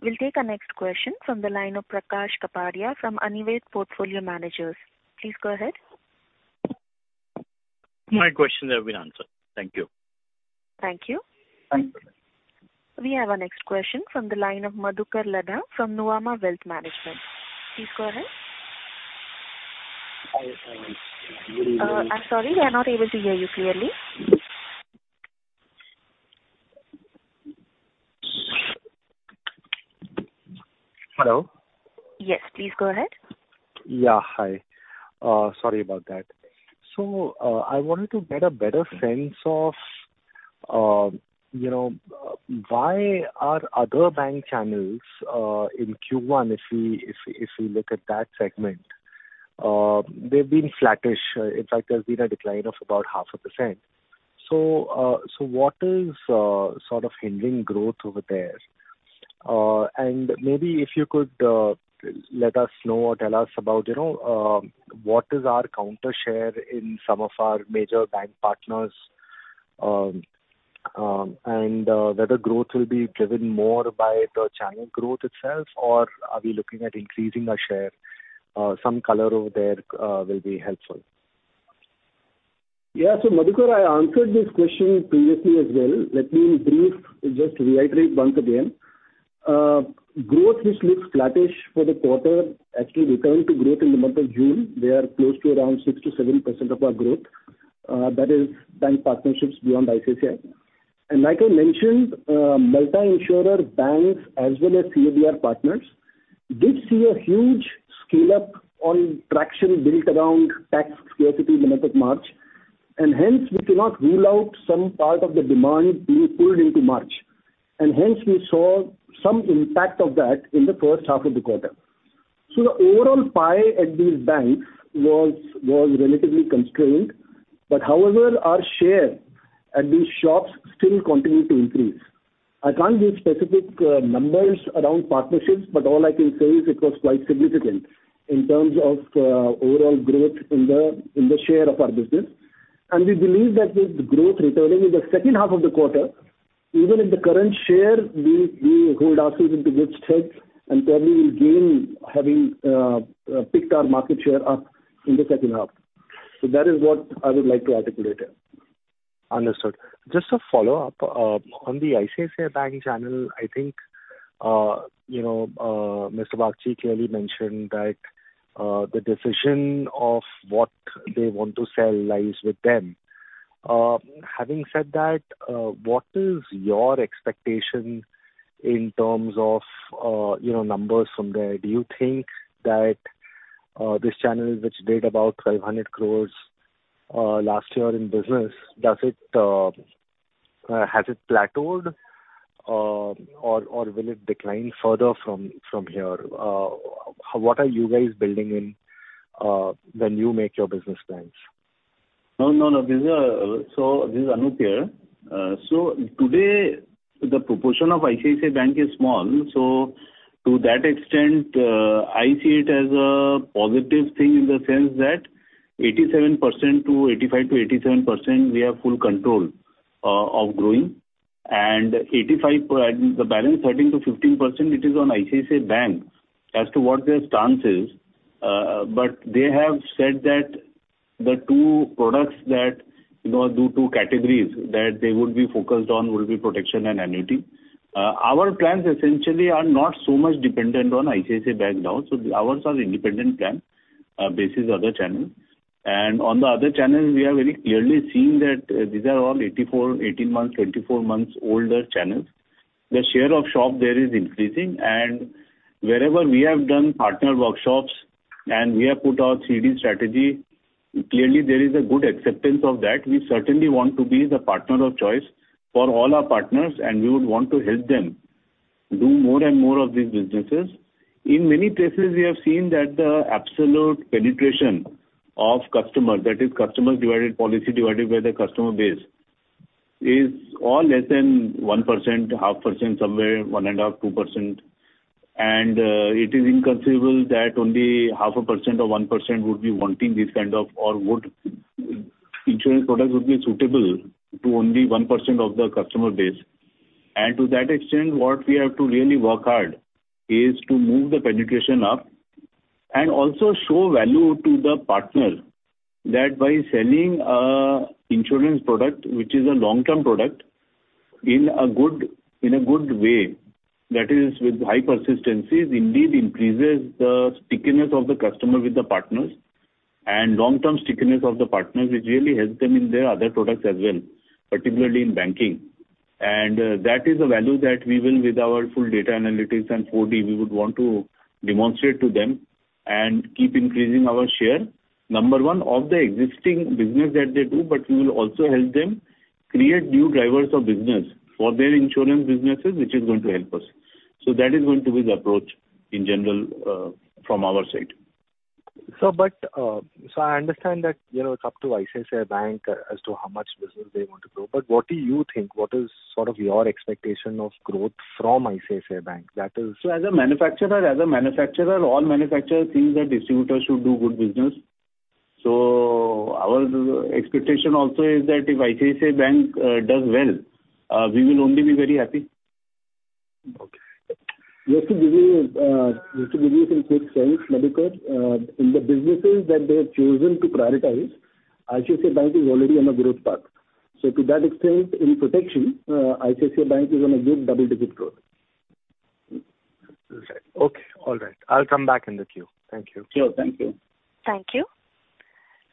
S1: We'll take our next question from the line of Prakash Kapadia from Anived Portfolio Managers. Please go ahead.
S8: My questions have been answered. Thank you.
S1: Thank you.
S8: Thank you.
S1: We have our next question from the line of Madhukar Ladha from Nuvama Wealth Management. Please go ahead.
S9: I, I...
S1: I'm sorry, we are not able to hear you clearly.
S9: Hello?
S1: Yes, please go ahead.
S9: bout that. I wanted to get a better sense of, you know, why our other bank channels in Q1, if we look at that segment, they've been flattish. In fact, there's been a decline of about half a percent. What is sort of hindering growth over there? And maybe if you could let us know or tell us about, you know, what is our counter share in some of our major bank partners, and whether growth will be driven more by the channel growth itself, or are we looking at increasing our share? Some color over there will be helpful.
S3: Yeah. Madhukar, I answered this question previously as well. Let me in brief just reiterate once again. Growth, which looks flattish for the quarter, actually returned to growth in the month of June. They are close to around 6%-7% of our growth. That is bank partnerships beyond ICICI Bank. Like I mentioned, multi-insurer banks as well as CADR partners did see a huge scale-up on traction built around tax clarity in the month of March, hence, we cannot rule out some part of the demand being pulled into March. Hence, we saw some impact of that in the first half of the quarter. The overall pie at these banks was relatively constrained, but however, our share at these shops still continued to increase. I can't give specific numbers around partnerships, but all I can say is it was quite significant in terms of overall growth in the, in the share of our business. We believe that with growth returning in the second half of the quarter, even if the current share we hold ourselves into good stead, and probably we'll gain having picked our market share up in the second half. That is what I would like to articulate here.
S9: Understood. Just a follow-up. On the ICICI Bank channel, you know, Mr. Bagchi clearly mentioned that, the decision of what they want to sell lies with them. Having said that, what is your expectation in terms of, you know, numbers from there? Do you think that, this channel, which did about 500 crore, last year in business, does it, has it plateaued, or will it decline further from here? What are you guys building in, when you make your business plans?
S2: No, no. This is Anup here. Today, the proportion of ICICI Bank is small, so to that extent, I see it as a positive thing in the sense that 85%-87% we have full control of growing. The balance 13%-15% it is on ICICI Bank as to what their stance is. They have said that the two products that, you know, the two categories that they would be focused on will be protection and annuity. Our plans essentially are not so much dependent on ICICI Bank now, ours are independent plan basis other channels. On the other channels, we are very clearly seeing that these are all 84, 18 months, 24 months older channels. The share of shop there is increasing. Clearly there is a good acceptance of that. We certainly want to be the partner of choice for all our partners, and we would want to help them do more and more of these businesses. In many cases, we have seen that the absolute penetration of customer, that is customer divided, policy divided by the customer base, is all less than 1%, 0.5%, somewhere 1.5%, 2%. It is inconceivable that only 0.5% or 1% would be wanting insurance products would be suitable to only 1% of the customer base. To that extent, what we have to really work hard is to move the penetration up and also show value to the partner, that by selling an insurance product, which is a long-term product, in a good way, that is with high persistencies, indeed increases the stickiness of the customer with the partners. Long-term stickiness of the partners, it really helps them in their other products as well, particularly in banking. That is the value that we will, with our full data analytics and four D, we would want to demonstrate to them and keep increasing our share, number one, of the existing business that they do, but we will also help them create new drivers of business for their insurance businesses, which is going to help us. That is going to be the approach in general from our side.
S9: I understand that, you know, it's up to ICICI Bank as to how much business they want to grow. What do you think? What is sort of your expectation of growth from ICICI Bank?
S2: As a manufacturer, all manufacturers think that distributors should do good business. Our expectation also is that if ICICI Bank does well, we will only be very happy.
S9: Okay.
S3: Just to give you some quick sense, Madhukar, in the businesses that they have chosen to prioritize, ICICI Bank is already on a growth path. To that extent, in protection, ICICI Bank is on a good double-digit growth.
S9: Okay, all right. I'll come back in the queue. Thank you.
S3: Sure. Thank you.
S1: Thank you.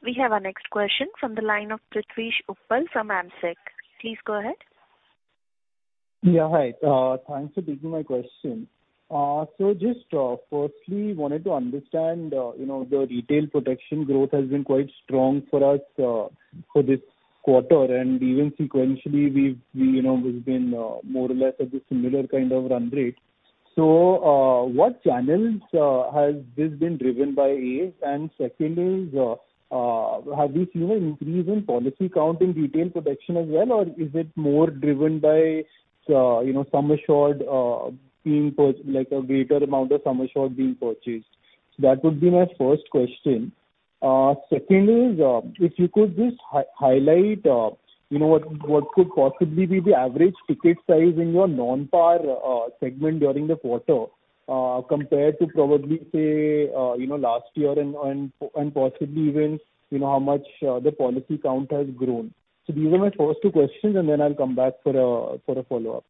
S1: We have our next question from the line of Prithvish Uppal from AMSEC. Please go ahead.
S10: Yeah, hi. Thanks for taking my question. Just, firstly, wanted to understand, you know, the retail protection growth has been quite strong for us, for this quarter, and even sequentially, we've, you know, we've been more or less at a similar kind of run rate. What channels has this been driven by, A? Second is, have you seen an increase in policy count in retail protection as well, or is it more driven by, you know, sum assured, like a greater amount of sum assured being purchased? That would be my first question. Second is, if you could just highlight, you know, what could possibly be the average ticket size in your non-par segment during the quarter, compared to probably, say, you know, last year and possibly even, you know, how much the policy count has grown? These are my first two questions, and then I'll come back for a follow-up.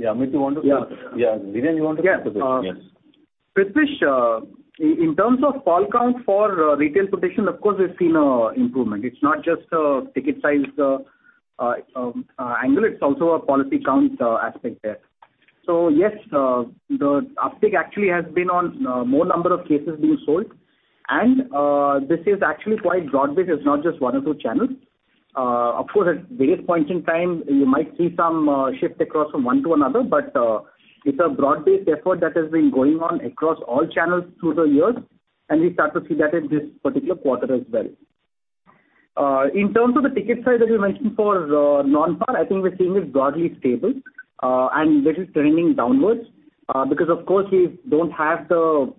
S2: Yeah, Amit, you want to?
S4: Yeah.
S2: Yeah, Dhiren, you want to take this? Yes.
S4: Yeah, Prithvish, in terms of policy count for retail protection, of course, we've seen an improvement. It's not just a ticket size angle, it's also a policy count aspect there. Yes, the uptick actually has been on more number of cases being sold. This is actually quite broad-based, it's not just one or two channels. Of course, at various points in time, you might see some shift across from one to another, but it's a broad-based effort that has been going on across all channels through the years, and we start to see that in this particular quarter as well. In terms of the ticket size that you mentioned for non-par, I think we're seeing it broadly stable, and this is trending downwards. Because, of course, we don't have the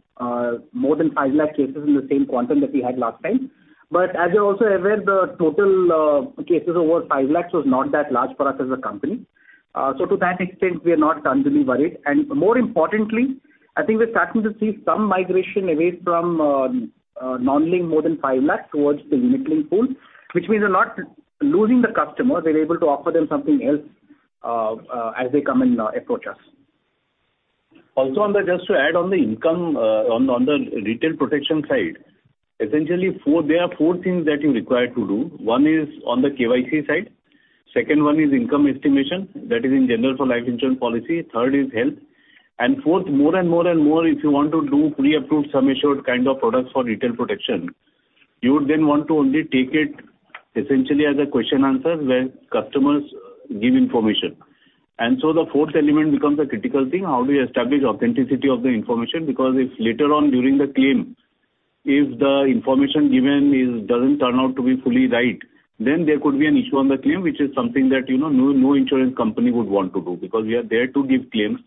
S4: more than 5 lakh cases in the same quantum that we had last time. As you're also aware, the total cases over 5 lakh was not that large for us as a company. To that extent, we are not unduly worried. More importantly, I think we're starting to see some migration away from non-linked more than 5 lakh towards the unit-linked pool, which means we're not losing the customer. We're able to offer them something else as they come and approach us.
S2: Also on the, just to add on the income, on the retail protection side, essentially four, there are four things that you require to do. One is on the KYC side, second one is income estimation, that is in general for life insurance policy. Third is health, and fourth, more and more, if you want to do pre-approved sum assured kind of products for retail protection, you would then want to only take it essentially as a question answer, where customers give information. So the fourth element becomes a critical thing: how do you establish authenticity of the information? If later on during the claim, if the information given is, doesn't turn out to be fully right, then there could be an issue on the claim, which is something that, you know, no insurance company would want to do, because we are there to give claims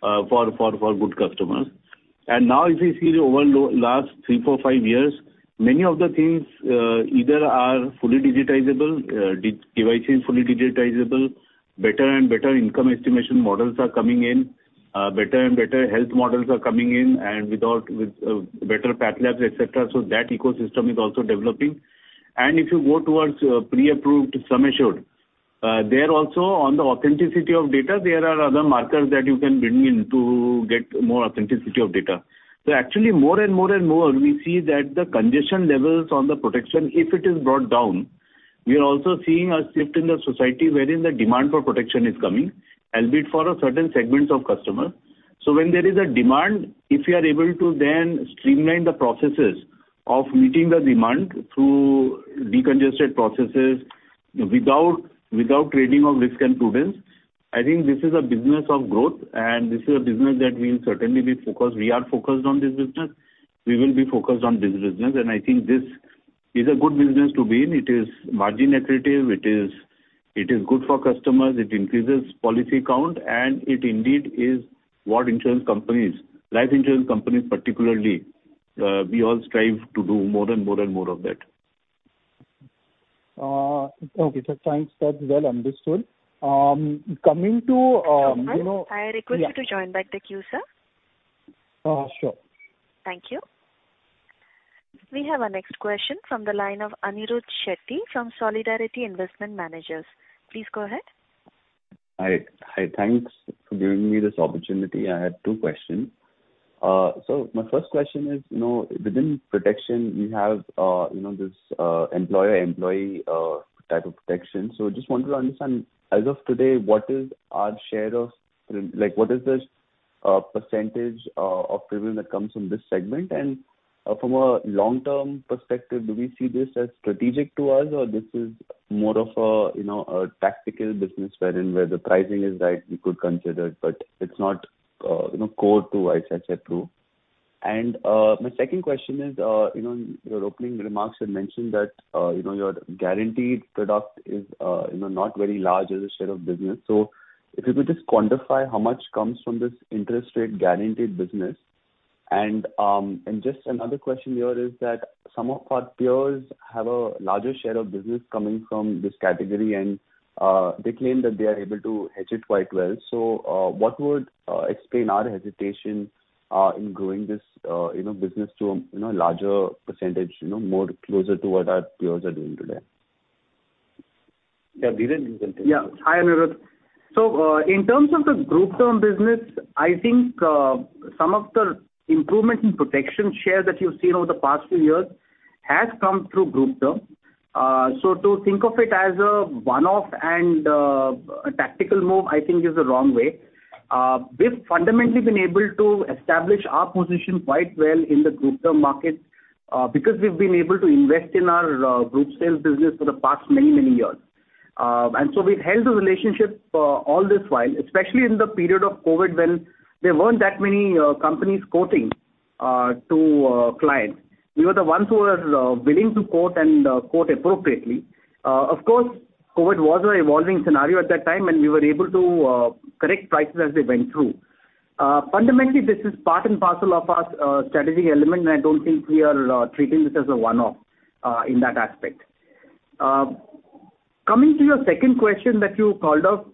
S2: for good customers. Now, if you see over the last three, four, five years, many of the things, either are fully digitizable, devices fully digitizable, better and better income estimation models are coming in, better and better health models are coming in and with all, with better path labs, et cetera. That ecosystem is also developing. If you go towards pre-approved sum assured, there also, on the authenticity of data, there are other markers that you can bring in to get more authenticity of data. Actually, more and more, we see that the congestion levels on the protection, if it is brought down, we are also seeing a shift in the society wherein the demand for protection is coming, albeit for a certain segments of customers. When there is a demand, if you are able to then streamline the processes of meeting the demand through de-congested processes, without trading of risk and prudence, I think this is a business of growth, and this is a business that we will certainly be focused. We are focused on this business. We will be focused on this business, and I think this is a good business to be in. It is margin accretive, it is good for customers, it increases policy count, and it indeed is what insurance companies, life insurance companies particularly, we all strive to do more and more of that.
S10: Okay, sir. Thanks. That's well understood. Coming to,
S1: I request you to join back the queue, sir.
S10: Sure.
S1: Thank you. We have our next question from the line of Anirudh Shetty from Solidarity Investment Managers. Please go ahead.
S11: Hi. Hi, thanks for giving me this opportunity. I had two questions. My first question is, you know, within protection, you have, you know, this employer-employee type of protection. Just wanted to understand, as of today, like, what is this % of premium that comes from this segment? From a long-term perspective, do we see this as strategic to us, or this is more of a, you know, a tactical business wherein where the pricing is right, we could consider it, but it's not, you know, core to ICICI Pru? My second question is, you know, in your opening remarks, you mentioned that, you know, your guaranteed product is, you know, not very large as a share of business. If you could just quantify how much comes from this interest rate guaranteed business. Just another question here is that some of our peers have a larger share of business coming from this category, and they claim that they are able to hedge it quite well. What would explain our hesitation in growing this, you know, business to, you know, larger percentage, you know, more closer to what our peers are doing today?
S2: Yeah, Dhiren, you can take this.
S4: Hi, Anirudh. In terms of the group term business, I think some of the improvement in protection share that you've seen over the past few years has come through group term. To think of it as a one-off and a tactical move, I think is the wrong way. We've fundamentally been able to establish our position quite well in the group term market, because we've been able to invest in our group sales business for the past many, many years. We've held the relationship all this while, especially in the period of COVID, when there weren't that many companies quoting to clients. We were the ones who were willing to quote and quote appropriately. Of course, COVID was an evolving scenario at that time, we were able to correct prices as they went through. Fundamentally, this is part and parcel of our strategic element, I don't think we are treating this as a one-off in that aspect. Coming to your second question that you called off.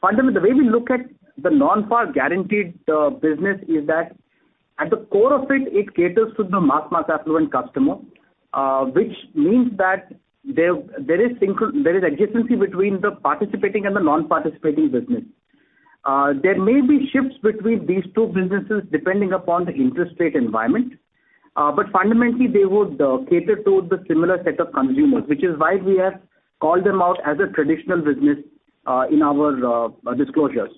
S4: Fundamentally, the way we look at the non-par guaranteed business is that at the core of it caters to the mass affluent customer, which means that there is adjacency between the participating and the non-participating business. There may be shifts between these two businesses, depending upon the interest rate environment, fundamentally, they would cater to the similar set of consumers, which is why we have called them out as a traditional business in our disclosures.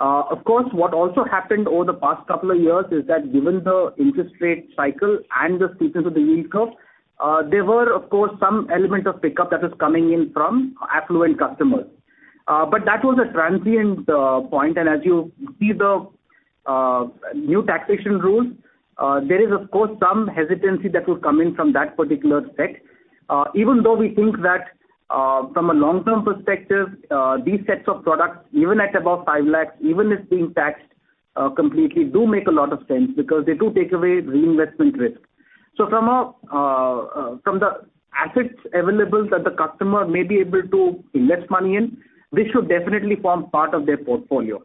S4: Of course, what also happened over the past couple of years is that given the interest rate cycle and the steepness of the yield curve, there were, of course, some element of pickup that is coming in from affluent customers. But that was a transient point, and as you see the new taxation rules, there is of course, some hesitancy that will come in from that particular set. Even though we think that, from a long-term perspective, these sets of products, even at above 5 lakh, even if being taxed completely, do make a lot of sense because they do take away reinvestment risk. From the assets available that the customer may be able to invest money in, this should definitely form part of their portfolio.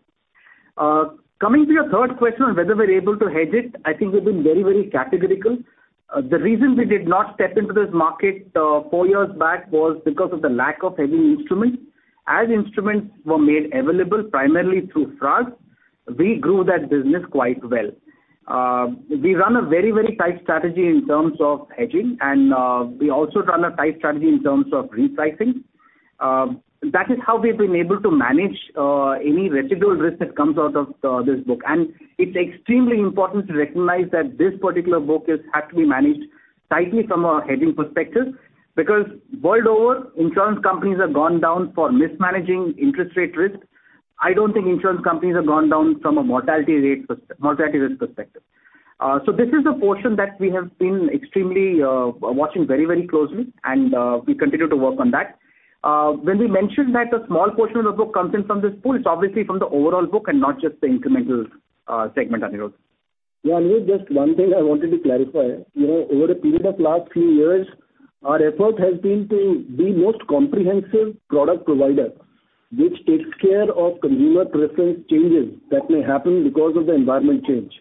S4: Coming to your third question on whether we're able to hedge it, I think we've been very, very categorical. The reason we did not step into this market four years back was because of the lack of heavy instruments. As instruments were made available, primarily through FRAs, we grew that business quite well. We run a very, very tight strategy in terms of hedging, and we also run a tight strategy in terms of repricing. That is how we've been able to manage any residual risk that comes out of this book. It's extremely important to recognize that this particular book has to be managed tightly from a hedging perspective, because world over, insurance companies have gone down for mismanaging interest rate risk. I don't think insurance companies have gone down from a mortality risk perspective. This is a portion that we have been extremely watching very, very closely, and we continue to work on that. When we mention that a small portion of the book comes in from this pool, it's obviously from the overall book and not just the incremental segment, Anirudh.
S3: Yeah, Anirudh, just one thing I wanted to clarify. You know, over a period of last few years, our effort has been to be most comprehensive product provider, which takes care of consumer preference changes that may happen because of the environment change.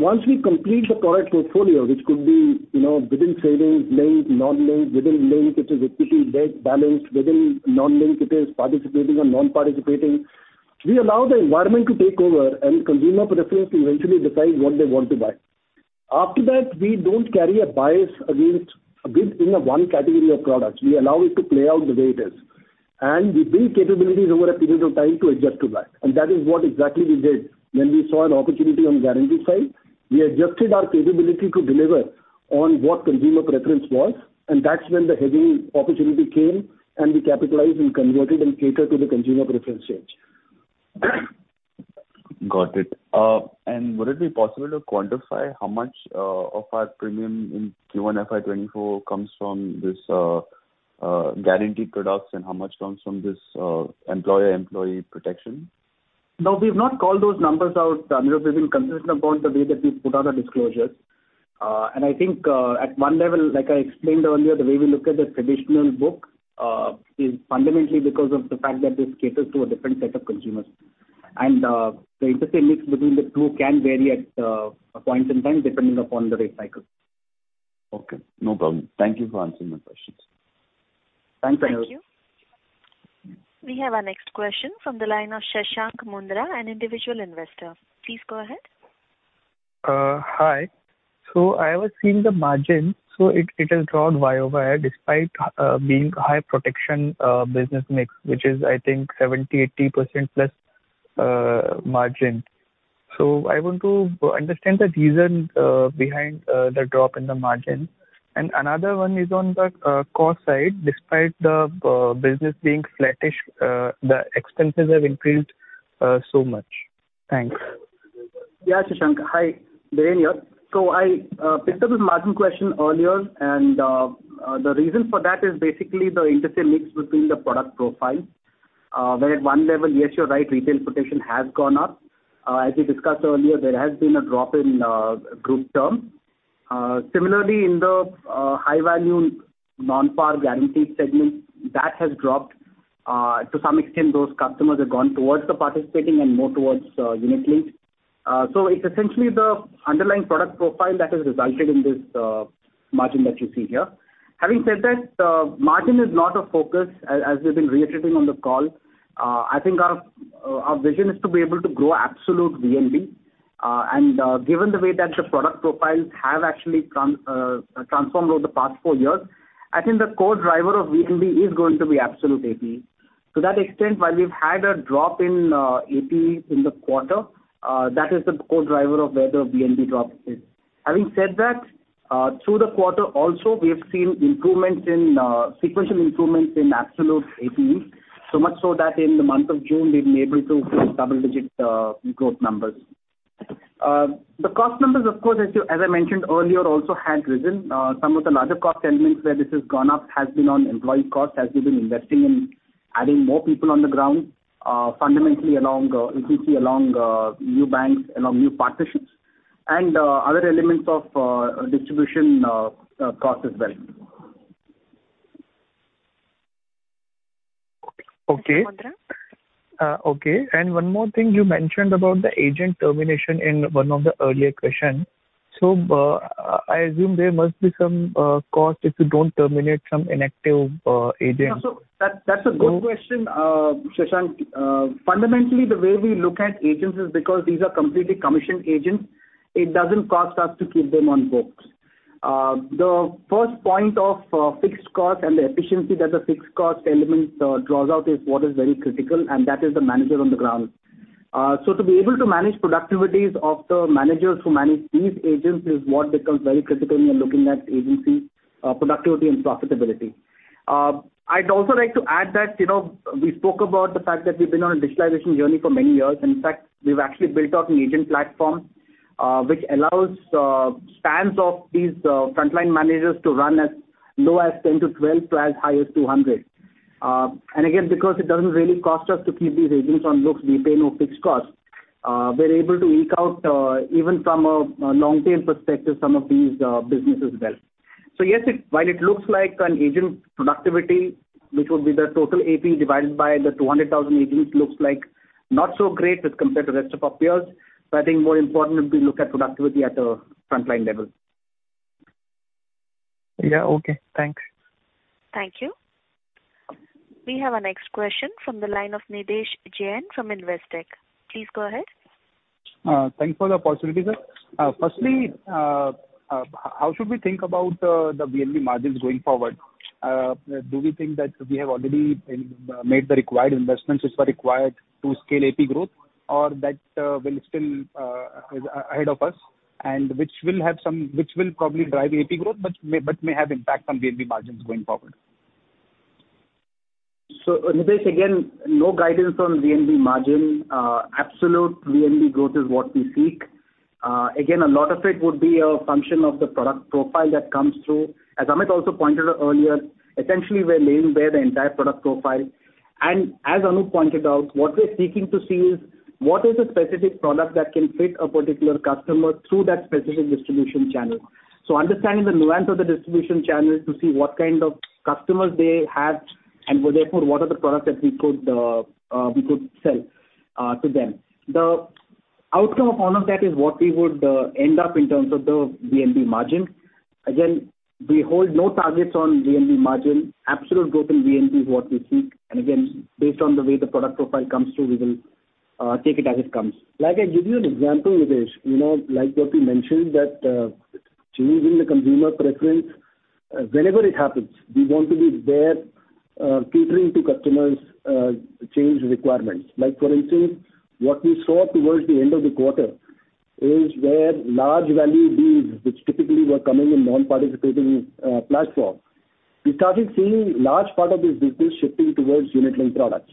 S3: Once we complete the product portfolio, which could be, you know, within savings, linked, non-linked, within linked, which is equity, debt, balanced, within non-linked it is participating and non-participating, we allow the environment to take over and consumer preference to eventually decide what they want to buy. After that, we don't carry a bias against a bit in the one category of products. We allow it to play out the way it is. We build capabilities over a period of time to adjust to that, and that is what exactly we did. When we saw an opportunity on the guarantee side, we adjusted our capability to deliver on what consumer preference was, and that's when the hedging opportunity came, and we capitalized and converted and catered to the consumer preference change.
S11: Got it. Would it be possible to quantify how much of our premium in Q1 FY 2024 comes from this guaranteed products and how much comes from this employer-employee protection?
S4: No, we've not called those numbers out, Anirudh. We've been consistent about the way that we've put out our disclosures. I think, at one level, like I explained earlier, the way we look at the traditional book, is fundamentally because of the fact that this caters to a different set of consumers. The interstate mix between the two can vary at, a point in time, depending upon the rate cycle.
S11: Okay, no problem. Thank you for answering my questions.
S3: Thanks, Anirudh.
S1: Thank you. We have our next question from the line of Shashank Mundra, an individual investor. Please go ahead.
S12: Hi. I was seeing the margin, it has dropped year-over-year, despite being high protection business mix, which is, I think, 70%-80% plus margin. I want to understand the reason behind the drop in the margin. Another one is on the cost side. Despite the business being flattish, the expenses have increased so much. Thanks.
S4: Yeah, Shashank, hi. Dhiren here. I picked up this margin question earlier, and the reason for that is basically the interstate mix between the product profile. At one level, yes, you're right, retail protection has gone up. As we discussed earlier, there has been a drop in group term. Similarly, in the high-value non-par guarantee segment, that has dropped. To some extent, those customers have gone towards the participating and more towards unit-linked. It's essentially the underlying product profile that has resulted in this margin that you see here. Having said that, margin is not a focus as we've been reiterating on the call. I think our vision is to be able to grow absolute VNB. Given the way that the product profiles have actually transformed over the past four years, I think the core driver of VNB is going to be absolute APE. To that extent, while we've had a drop in APE in the quarter, that is the core driver of where the VNB drop is. Having said that, through the quarter also, we have seen improvements in sequential improvements in absolute APE. Much so that in the month of June, we've been able to double-digit growth numbers. The cost numbers, of course, as I mentioned earlier, also had risen. Some of the larger cost elements where this has gone up has been on employee costs, as we've been investing in adding more people on the ground, fundamentally along EPC, along new banks, along new partnerships, and other elements of distribution cost as well.
S12: Okay.
S1: Mundra?
S12: Okay, one more thing, you mentioned about the agent termination in one of the earlier question. I assume there must be some cost if you don't terminate some inactive agents.
S4: That's a good question, Shashank. Fundamentally, the way we look at agents is because these are completely commissioned agents, it doesn't cost us to keep them on books. The first point of fixed cost and the efficiency that the fixed cost element draws out is what is very critical, and that is the manager on the ground. To be able to manage productivities of the managers who manage these agents is what becomes very critical when looking at agency productivity and profitability. I'd also like to add that, you know, we spoke about the fact that we've been on a digitalization journey for many years. In fact, we've actually built out an agent platform which allows spans of these frontline managers to run as low as 10-12, to as high as 200. Again, because it doesn't really cost us to keep these agents on books, we pay no fixed costs, we're able to eke out, even from a long-term perspective, some of these businesses as well. Yes, while it looks like an agent productivity, which would be the total AP divided by the 200,000 agents, looks like not so great as compared to rest of our peers. I think more important, we look at productivity at the frontline level.
S12: Yeah. Okay, thanks.
S1: Thank you. We have our next question from the line of Nidhesh Jain from Investec. Please go ahead.
S13: Thanks for the opportunity, sir. Firstly, how should we think about the VNB margins going forward? Do we think that we have already made the required investments which were required to scale APE growth, or that will still is ahead of us, and which will probably drive APE growth, but may have impact on VNB margins going forward?
S4: Nidhesh, again, no guidance on VNB margin. Absolute VNB growth is what we seek. Again, a lot of it would be a function of the product profile that comes through. As Amit also pointed out earlier, essentially, we're laying bare the entire product profile. As Anup pointed out, what we're seeking to see is what is the specific product that can fit a particular customer through that specific distribution channel. Understanding the nuance of the distribution channel to see what kind of customers they have, and therefore, what are the products that we could sell to them. The outcome of all of that is what we would end up in terms of the VNB margin. Again, we hold no targets on VNB margin. Absolute growth in VNB is what we seek, and again, based on the way the product profile comes through, we will take it as it comes.
S3: Like I give you an example, Nidhesh, you know, like what we mentioned, that changing the consumer preference, whenever it happens, we want to be there, catering to customers' changed requirements. Like, for instance, what we saw towards the end of the quarter is where large value deals, which typically were coming in non-participating platform, we started seeing large part of this business shifting towards unit-linked products,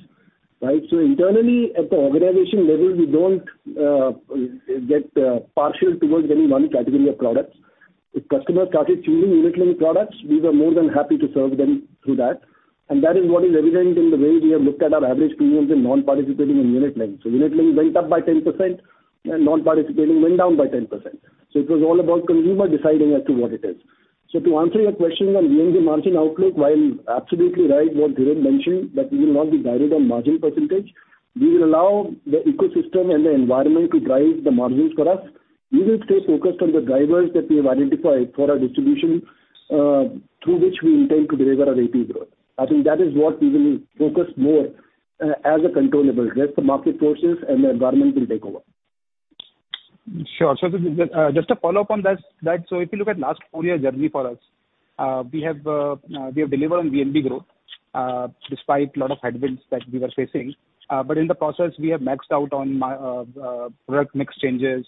S3: right. Internally, at the organization level, we don't get partial towards any one category of products. If customers started choosing unit-linked products, we were more than happy to serve them through that. That is what is evident in the way we have looked at our average premiums in non-participating and unit-linked. Unit-linked went up by 10% and non-participating went down by 10%. It was all about consumer deciding as to what it is. To answer your question on VNB margin outlook, while absolutely right, what Dhiren mentioned, that we will not be guided on margin %, we will allow the ecosystem and the environment to drive the margins for us. We will stay focused on the drivers that we have identified for our distribution, through which we intend to deliver our AP growth. I think that is what we will focus more, as a controllable, rest the market forces and the environment will take over.
S13: Sure. Just a follow-up on that, if you look at last 4-year journey for us, we have delivered on VNB growth despite a lot of headwinds that we were facing. In the process, we have maxed out on my product mix changes.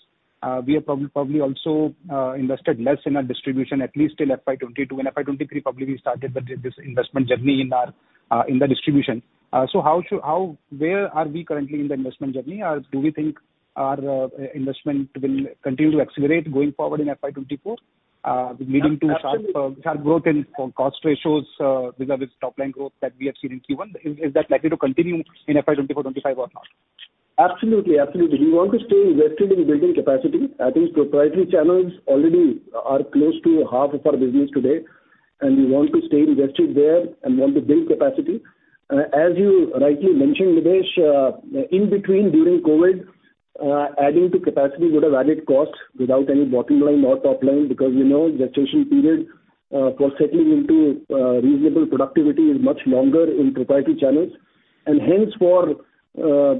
S13: We have probably also invested less in our distribution, at least till FY 2022. In FY 2023, probably we started with this investment journey in our in the distribution. How, where are we currently in the investment journey? Do we think our investment will continue to accelerate going forward in FY 2024, leading to sharp growth in cost ratios vis-a-vis top line growth that we have seen in Q1?Is that likely to continue in FY 2024, 2025 or not?
S3: Absolutely. Absolutely. We want to stay invested in building capacity. I think proprietary channels already are close to half of our business today, and we want to stay invested there and want to build capacity. As you rightly mentioned, Nidhesh, in between, during COVID, adding to capacity would have added cost without any bottom line or top line, because we know the attrition period for settling into reasonable productivity is much longer in proprietary channels. Hence, for a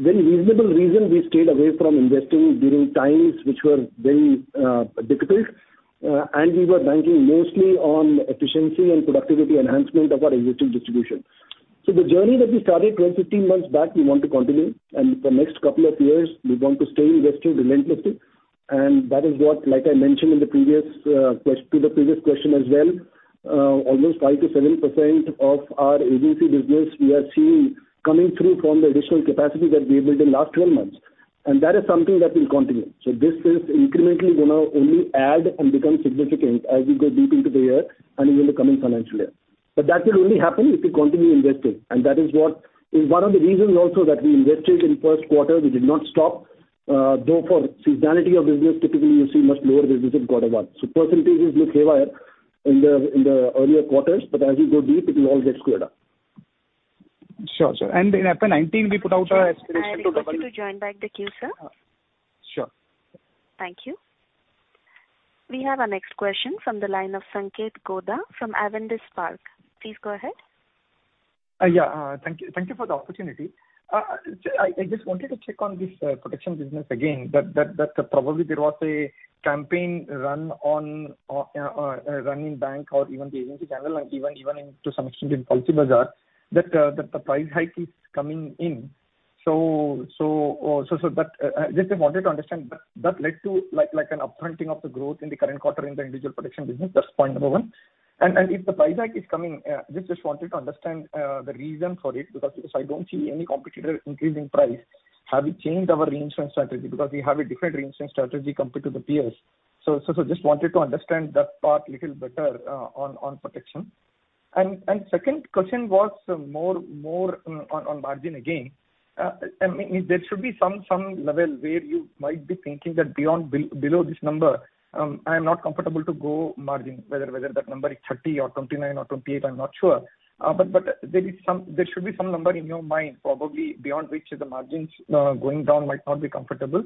S3: very reasonable reason, we stayed away from investing during times which were very difficult, and we were banking mostly on efficiency and productivity enhancement of our existing distribution. The journey that we started 12, 15 months back, we want to continue, and for next couple of years, we want to stay invested relentlessly. That is what, like I mentioned in the previous to the previous question as well, almost 5%-7% of our agency business, we are seeing coming through from the additional capacity that we built in last 12 months. That is something that will continue. This is incrementally going to only add and become significant as we go deep into the year and in the coming financial year. That will only happen if we continue investing, and that is what is one of the reasons also that we invested in first quarter. We did not stop, though, for seasonality of business, typically, you'll see much lower business in quarter one. Percentages look haywire in the, in the earlier quarters, but as you go deep, it will all get squared up.
S13: Sure, sir. In FY19, we put out our aspiration.
S1: I need you to join back the queue, sir.
S13: Sure.
S1: Thank you. We have our next question from the line of Sanketh Godha from Avendus Spark. Please go ahead.
S14: Thank you. Thank you for the opportunity. I just wanted to check on this protection business again, that probably there was a campaign run on, run in bank or even the agency channel and even into some extent in Policybazaar, that the price hike is coming in. Just I wanted to understand, that led to an upfronting of the growth in the current quarter in the individual protection business. That's point number one. If the price hike is coming, just wanted to understand the reason for it, because I don't see any competitor increasing price. Have we changed our reinsurance strategy? We have a different reinsurance strategy compared to the peers. Just wanted to understand that part little better on protection. Second question was more on margin again. I mean, there should be some level where you might be thinking that below this number, I am not comfortable to go margin, whether that number is 30% or 29% or 28%, I am not sure. But there should be some number in your mind, probably beyond which the margins going down might not be comfortable.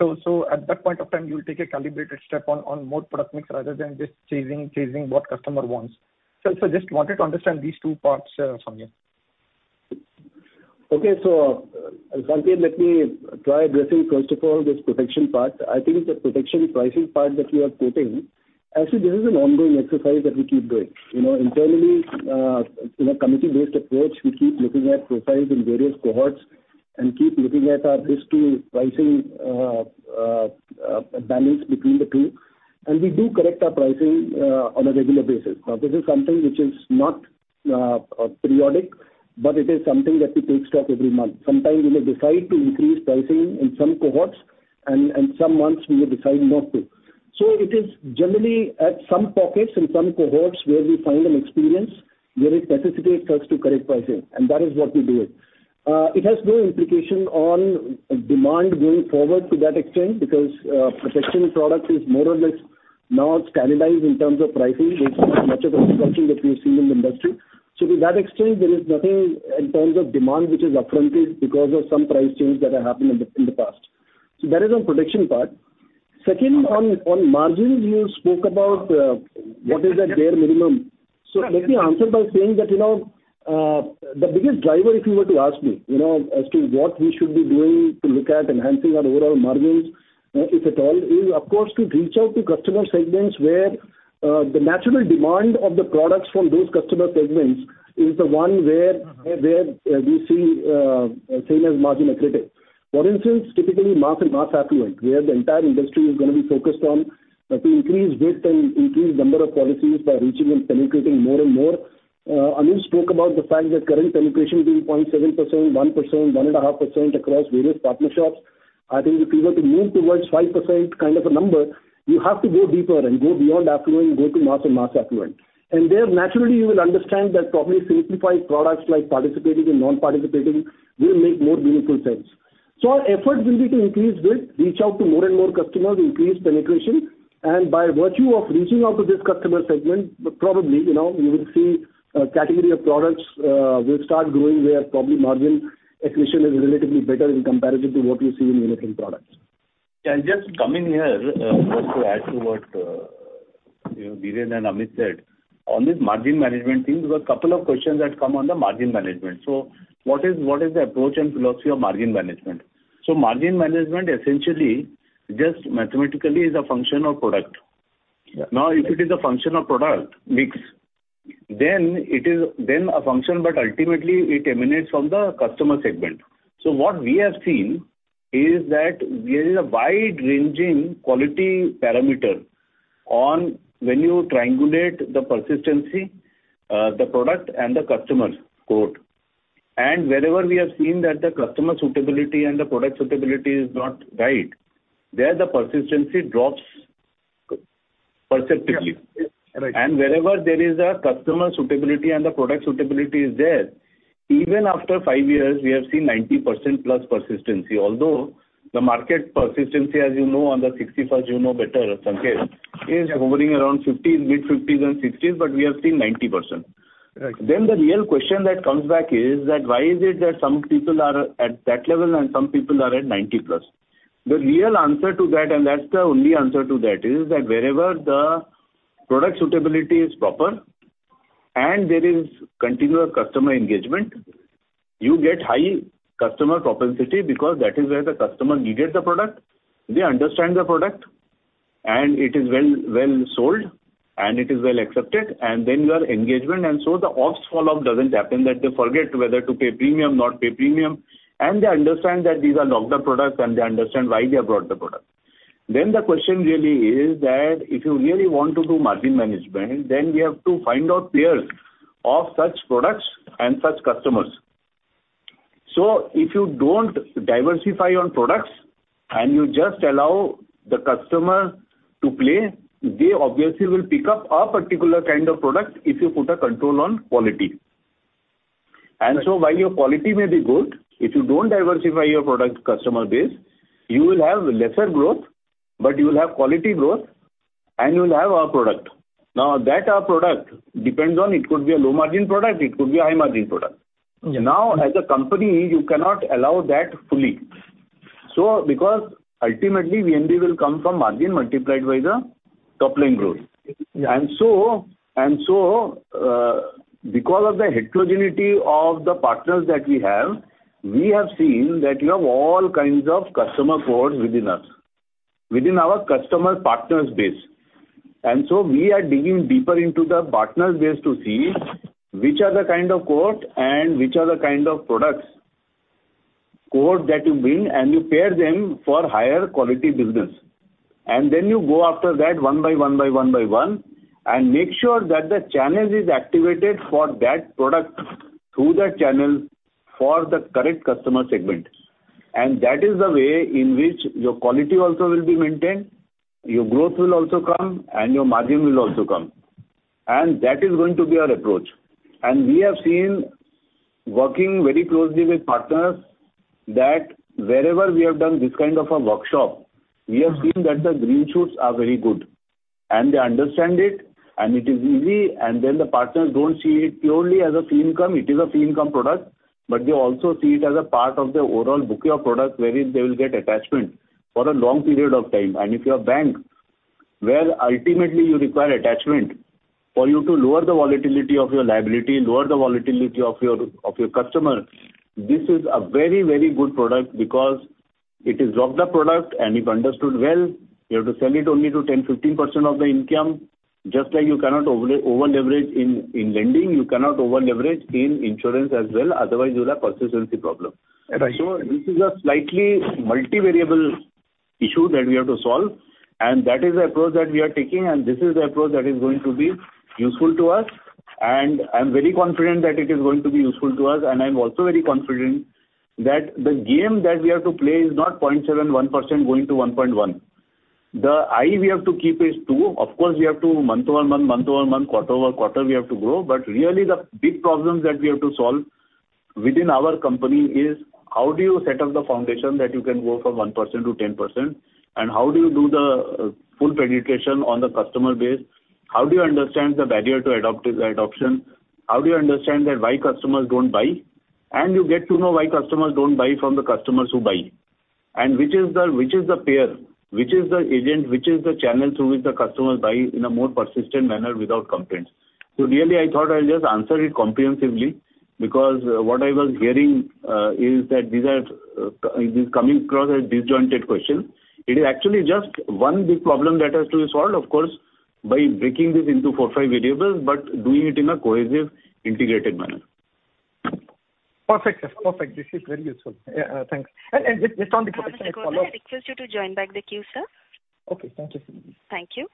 S14: At that point of time, you will take a calibrated step on more product mix rather than just chasing what customer wants. Just wanted to understand these two parts, Sanjaya.
S3: Okay, Sanketh, let me try addressing first of all this protection part. I think the protection pricing part that you are quoting, actually, this is an ongoing exercise that we keep doing. You know, internally, in a committee-based approach, we keep looking at profiles in various cohorts and keep looking at our risk to pricing, balance between the two, and we do correct our pricing on a regular basis. Now, this is something which is not periodic, but it is something that we take stock every month. Sometimes we may decide to increase pricing in some cohorts and some months we may decide not to. It is generally at some pockets and some cohorts where we find an experience, where it necessitates us to correct pricing, and that is what we're doing. It has no implication on demand going forward to that extent, because protection product is more or less now standardized in terms of pricing. There's not much of a disruption that we've seen in the industry. To that extent, there is nothing in terms of demand, which is affected because of some price changes that have happened in the, in the past. That is on protection part. Second, on margins, you spoke about what is the bare minimum. Let me answer by saying that, you know, the biggest driver, if you were to ask me, you know, as to what we should be doing to look at enhancing our overall margins, if at all, is of course, to reach out to customer segments where the natural demand of the products from those customer segments is the one where-
S14: Mm-hmm
S3: where we see, same as margin accretive. For instance, typically mass and mass affluent, where the entire industry is gonna be focused on to increase width and increase number of policies by reaching and penetrating more and more. Amit spoke about the fact that current penetration is 0.7%, 1%, 1.5% across various partner shops. I think if you were to move towards 5% kind of a number, you have to go deeper and go beyond affluent, go to mass and mass affluent. There, naturally, you will understand that probably simplified products like participating and non-participating will make more meaningful sense. Our effort will be to increase width, reach out to more and more customers, increase penetration, and by virtue of reaching out to this customer segment, probably, you know, you will see a category of products will start growing, where probably margin accretion is relatively better in comparison to what you see in unique products.
S2: Can I just come in here, just to add to what, you know, Dhiren and Amit said. On this margin management thing, there were a couple of questions that come on the margin management. What is the approach and philosophy of margin management? Margin management essentially just mathematically is a function of product. If it is a function of product mix, then it is then a function, but ultimately it emanates from the customer segment. What we have seen is that there is a wide-ranging quality parameter on when you triangulate the persistency, the product and the customers cohort. Wherever we have seen that the customer suitability and the product suitability is not right, there the persistency drops perceptively.
S14: Yeah. Right.
S2: Wherever there is a customer suitability and the product suitability is there, even after five years, we have seen 90% plus persistency, although the market persistency, as you know, on the 61st, you know better, Sanketh, is hovering around 15, mid-fifties and sixties, but we have seen 90%.
S14: Right.
S2: The real question that comes back is that why is it that some people are at that level and some people are at 90 plus? The real answer to that, and that's the only answer to that, is that wherever the product suitability is proper and there is continuous customer engagement, you get high customer propensity because that is where the customer needed the product, they understand the product, and it is well sold, and it is well accepted, and then you have engagement. The ops follow-up doesn't happen, that they forget whether to pay premium, not pay premium, and they understand that these are locked up products, and they understand why they have bought the product. The question really is that if you really want to do margin management, then we have to find out pairs of such products and such customers. If you don't diversify on products and you just allow the customer to play, they obviously will pick up a particular kind of product if you put a control on quality.
S14: Right.
S2: While your quality may be good, if you don't diversify your product customer base, you will have lesser growth, but you will have quality growth and you will have our product. That our product depends on it could be a low-margin product, it could be a high-margin product.
S14: Yeah.
S2: As a company, you cannot allow that fully. Because ultimately, VNB will come from margin multiplied by the top-line growth.
S14: Yeah.
S2: Because of the heterogeneity of the partners that we have, we have seen that you have all kinds of customer cohorts within us, within our customer partners base. We are digging deeper into the partners base to see which are the kind of cohort and which are the kind of products, cohort that you bring, and you pair them for higher quality business. You go after that one by one, by one, and make sure that the channel is activated for that product through the channel for the correct customer segment. That is the way in which your quality also will be maintained, your growth will also come, and your margin will also come. That is going to be our approach. We have seen working very closely with partners, that wherever we have done this kind of a workshop, we have seen that the green shoots are very good, and they understand it, and it is easy, and then the partners don't see it purely as a fee income. It is a fee income product, but they also see it as a part of their overall bouquet of products, wherein they will get attachment for a long period of time. If you are a bank, where ultimately you require attachment for you to lower the volatility of your liability, lower the volatility of your customer, this is a very, very good product because it is dropped the product, and if understood well, you have to sell it only to 10, 15% of the income. Just like you cannot overleverage in lending, you cannot overleverage in insurance as well, otherwise you'll have persistency problem.
S14: Right.
S2: This is a slightly multivariable issue that we have to solve, and that is the approach that we are taking, and this is the approach that is going to be useful to us. I'm very confident that it is going to be useful to us, and I'm also very confident that the game that we have to play is not 0.71% going to 1.1%. The eye we have to keep is two. Of course, we have to month-over-month, quarter-over-quarter, we have to grow, but really the big problems that we have to solve within our company is: how do you set up the foundation that you can go from 1%-10%? How do you do the full penetration on the customer base? How do you understand the barrier to adopt this adoption? How do you understand that why customers don't buy? You get to know why customers don't buy from the customers who buy. Which is the pair, which is the agent, which is the channel through which the customers buy in a more persistent manner without complaints. Really, I thought I'll just answer it comprehensively because what I was hearing is that these are this is coming across as disjointed question. It is actually just one big problem that has to be solved, of course, by breaking this into four, five variables, but doing it in a cohesive, integrated manner.
S14: Perfect, sir. Perfect. This is very useful. Yeah, thanks.
S1: I request you to join back the queue, sir.
S14: Okay, thank you.
S1: Thank you.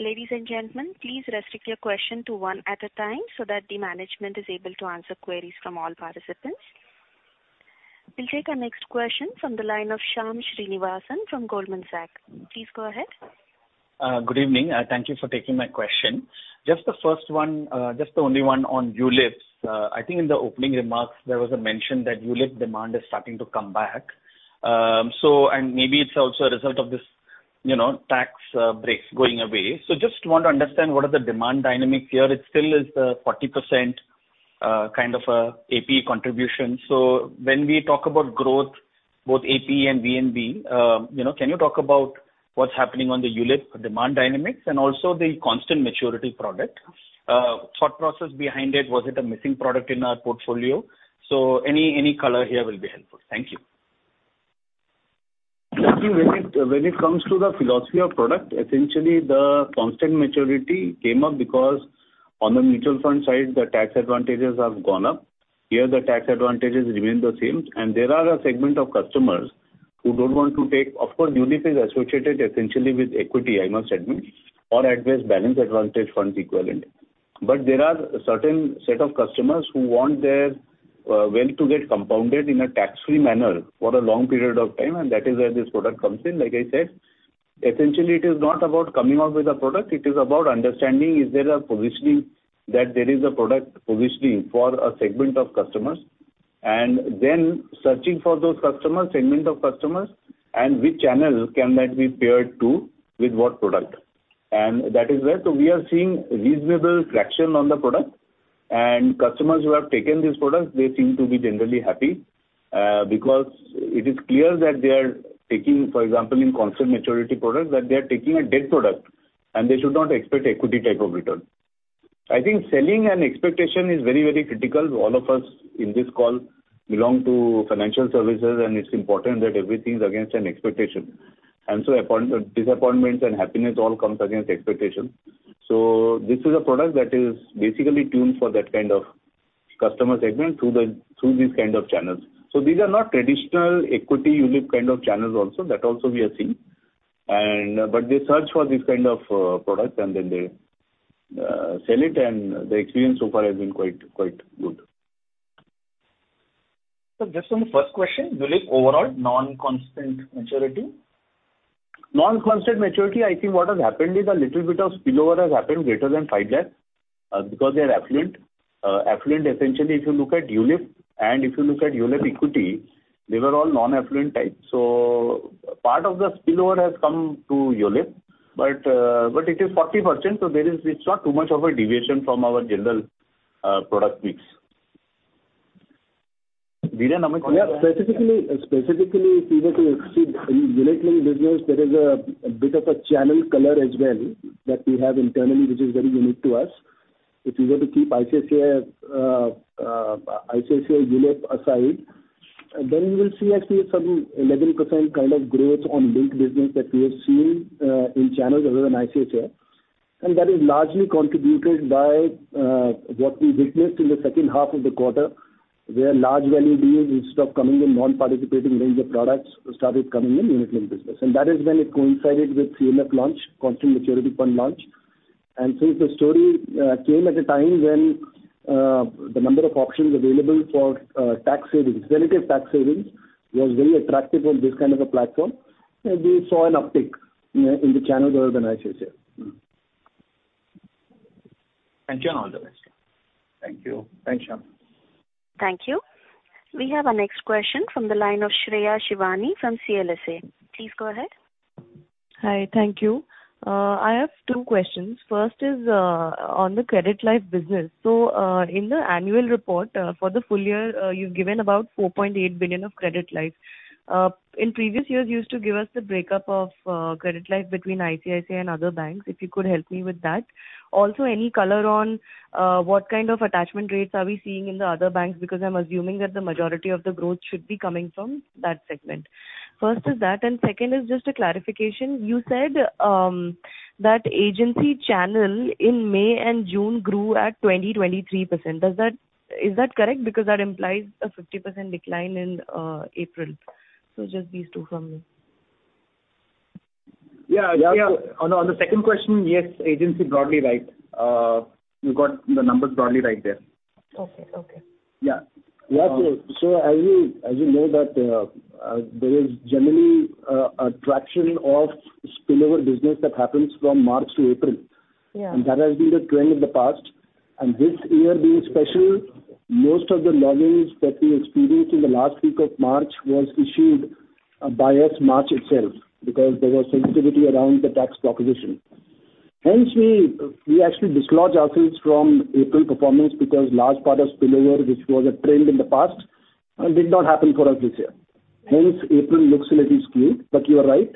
S1: Ladies and gentlemen, please restrict your question to one at a time, so that the management is able to answer queries from all participants. We'll take our next question from the line of Shyam Srinivasan from Goldman Sachs. Please go ahead.
S15: Good evening, thank you for taking my question. Just the first one, just the only one on ULIPs. I think in the opening remarks, there was a mention that ULIP demand is starting to come back. Maybe it's also a result of this, you know, tax breaks going away. Just want to understand what are the demand dynamics here. It still is the 40% kind of a APE contribution. When we talk about growth, both APE and VNB, you know, can you talk about what's happening on the ULIP demand dynamics and also the constant maturity product? Thought process behind it, was it a missing product in our portfolio? Any color here will be helpful. Thank you.
S2: Thank you. When it comes to the philosophy of product, essentially, the Constant Maturity came up because on the mutual fund side, the tax advantages have gone up. Here, the tax advantages remain the same, and there are a segment of customers who don't want to take. Of course, ULIP is associated essentially with equity, I must admit, or address balance advantage funds equivalently. There are certain set of customers who want their wealth to get compounded in a tax-free manner for a long period of time, and that is where this product comes in. Like I said, essentially, it is not about coming up with a product, it is about understanding is there a positioning, that there is a product positioning for a segment of customers, and then searching for those customers, segment of customers, and which channels can that be paired to with what product. That is where we are seeing reasonable traction on the product. Customers who have taken this product, they seem to be generally happy, because it is clear that they are taking, for example, in constant maturity product, that they are taking a debt product and they should not expect equity type of return. I think selling and expectation is very, very critical. All of us in this call belong to financial services, and it's important that everything is against an expectation. Disappointments and happiness all comes against expectation. This is a product that is basically tuned for that kind of customer segment through these kind of channels. These are not traditional equity ULIP kind of channels also, that also we are seeing. But they search for this kind of product, and then they sell it, and the experience so far has been quite good.
S15: Sir, just on the first question, ULIP overall, non-constant maturity.
S2: Non-constant maturity, I think what has happened is a little bit of spillover has happened greater than 5 lakh, because they are affluent. Affluent, essentially, if you look at ULIP and if you look at ULIP equity, they were all non-affluent type. Part of the spillover has come to ULIP, but it is 40%, so it's not too much of a deviation from our general product mix. Dhiren, am I correct?
S4: Yeah. Specifically, if you were to see in unit-linked business, there is a bit of a channel color as well that we have internally, which is very unique to us. If you were to keep ICICI ULIP aside, then you will see actually some 11% kind of growth on link business that we are seeing in channels other than ICICI. That is largely contributed by what we witnessed in the second half of the quarter, where large value deals instead of coming in non-participating range of products, started coming in unit-linked business.
S3: That is when it coincided with CMF launch, Constant Maturity Fund launch. Since the story came at a time when the number of options available for tax savings, relative tax savings, was very attractive on this kind of a platform, we saw an uptick in the channels that were organized this year.
S15: Jan, all the best.
S3: Thank you. Thanks, Shyam.
S1: Thank you. We have our next question from the line of Shreya Shivani from CLSA. Please go ahead.
S16: Hi, thank you. I have two questions. First is on the Credit Life business. In the annual report, for the full year, you've given about 4.8 billion of Credit Life. In previous years, you used to give us the breakup of Credit Life between ICICI and other banks, if you could help me with that. Also, any color on what kind of attachment rates are we seeing in the other banks? Because I'm assuming that the majority of the growth should be coming from that segment. First is that, second is just a clarification. You said that agency channel in May and June grew at 20%-23%. Is that correct? That implies a 50% decline in April. Just these two from me.
S4: Yeah, yeah. On the second question, yes, agency broadly, right. You got the numbers broadly right there.
S16: Okay. Okay.
S4: Yeah.
S3: Yeah, as you know, that there is generally a traction of spillover business that happens from March to April.
S16: Yeah.
S3: That has been the trend in the past. This year being special, most of the launches that we experienced in the last week of March was issued by us March itself, because there was sensitivity around the tax proposition. We actually dislodge our sales from April performance, because large part of spillover, which was a trend in the past, did not happen for us this year. April looks a little skewed, but you are right.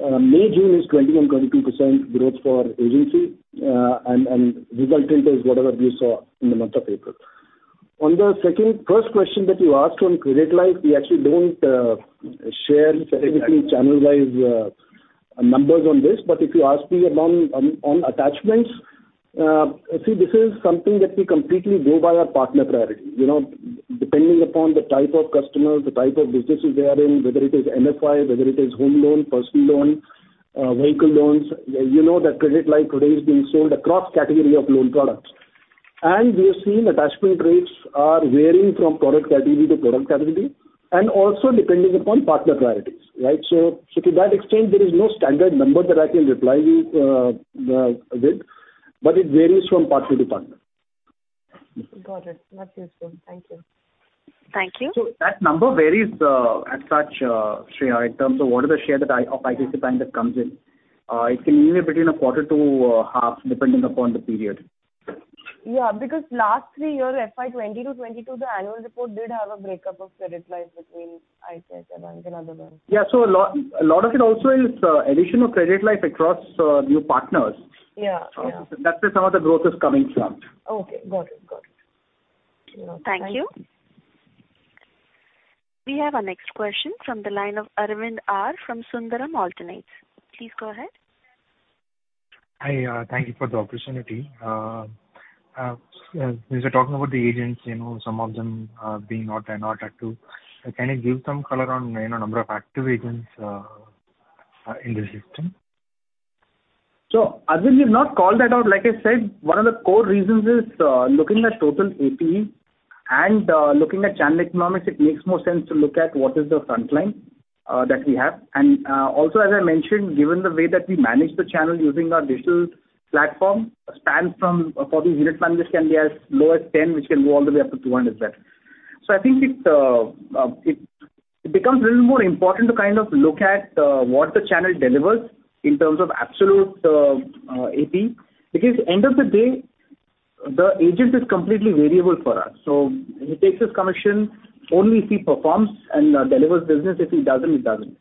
S3: May, June is 20% and 22% growth for agency, and result is whatever you saw in the month of April. On the first question that you asked on Credit Life, we actually don't share specifically channel-wise numbers on this. If you ask me about on attachments, see, this is something that we completely go by our partner priority. You know, depending upon the type of customer, the type of businesses they are in, whether it is NFI, whether it is home loan, personal loan, vehicle loans, you know, that Credit Life today is being sold across category of loan products. We have seen attachment rates are varying from product category to product category, and also depending upon partner priorities, right? To that extent, there is no standard number that I can reply you with, but it varies from partner to partner.
S16: Got it. That's useful. Thank you.
S1: Thank you.
S4: That number varies, as such, Shreya, in terms of what is the share that of ICICI Bank that comes in. It can anywhere between a quarter to half, depending upon the period.
S16: Yeah, last three years, FY 20-22, the annual report did have a breakup of Credit Life between ICICI Bank and other banks.
S4: A lot of it also is addition of Credit Life across new partners.
S16: Yeah. Yeah.
S4: That's where some of the growth is coming from.
S16: Okay, got it. Got it.
S1: Thank you. We have our next question from the line of Aravind R from Sundaram Alternates. Please go ahead.
S17: Hi, thank you for the opportunity. You were talking about the agents, you know, some of them are not active. Can you give some color on, you know, number of active agents in the system?
S4: Aravind, we've not called that out. Like I said, one of the core reasons is, looking at total APE and, looking at channel economics, it makes more sense to look at what is the frontline that we have. Also, as I mentioned, given the way that we manage the channel using our digital platform, span for the unit managers can be as low as 10, which can go all the way up to 200+. I think it becomes a little more important to kind of look at what the channel delivers in terms of absolute APE. End of the day, the agent is completely variable for us. He takes his commission only if he performs and delivers business. If he doesn't, he doesn't.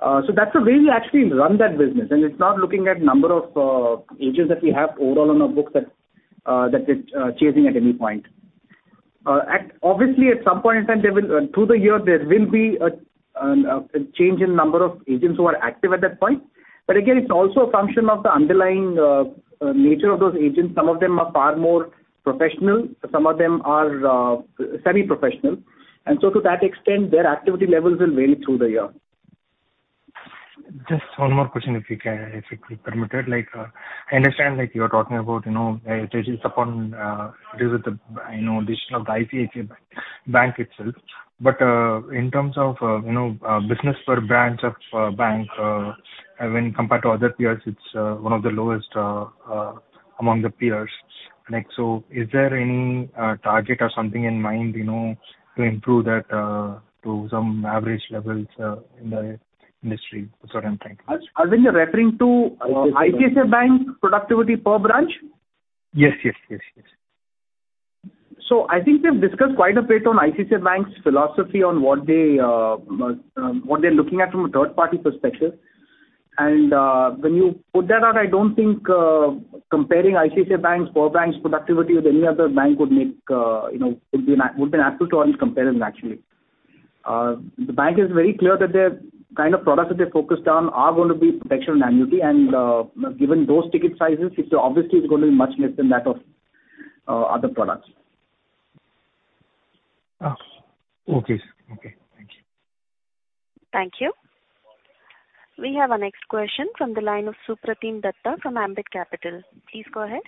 S4: That's the way we actually run that business, and it's not looking at number of agents that we have overall on our books that that is changing at any point. Obviously, at some point in time, there will. Through the year, there will be a change in number of agents who are active at that point. Again, it's also a function of the underlying nature of those agents. Some of them are far more professional, some of them are semi-professional, and so to that extent, their activity levels will vary through the year.
S17: Just one more question, if you can, if it be permitted. Like, I understand that you are talking about, you know, changes upon, with the, you know, addition of the ICICI Bank, bank itself. In terms of, you know, business per branch of bank, when compared to other peers, it's one of the lowest among the peers. Is there any target or something in mind, you know, to improve that to some average levels in the industry? That's what I'm thinking.
S4: Aravind, you're referring to, ICICI Bank productivity per branch?
S17: Yes, yes, yes.
S4: I think we've discussed quite a bit on ICICI Bank's philosophy on what they, what they're looking at from a third-party perspective. When you put that out, I don't think, comparing ICICI Bank's core bank's productivity with any other bank would make, you know, it would be an apple to orange comparison, actually. The bank is very clear that the kind of products that they're focused on are going to be protection and annuity, and, given those ticket sizes, it's obviously is going to be much less than that of, other products.
S17: Okay, sir. Okay, thank you.
S1: Thank you. We have our next question from the line of Supratim Datta from Ambit Capital. Please go ahead.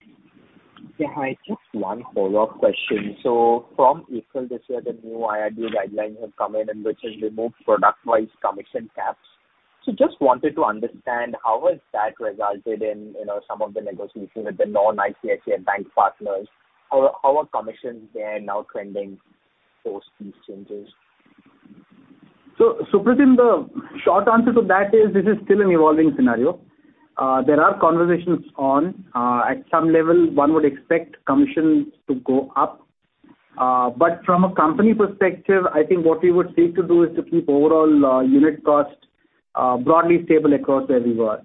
S6: Yeah, hi, just one follow-up question. From April this year, the new IRDAI guidelines have come in, which has removed product-wise commission caps. Just wanted to understand how has that resulted in, you know, some of the negotiations with the non-ICICI Bank partners? How are commissions there now trending post these changes?
S4: Supratim, the short answer to that is this is still an evolving scenario. There are conversations on, at some level, one would expect commissions to go up. From a company perspective, I think what we would seek to do is to keep overall, unit cost, broadly stable across where we were.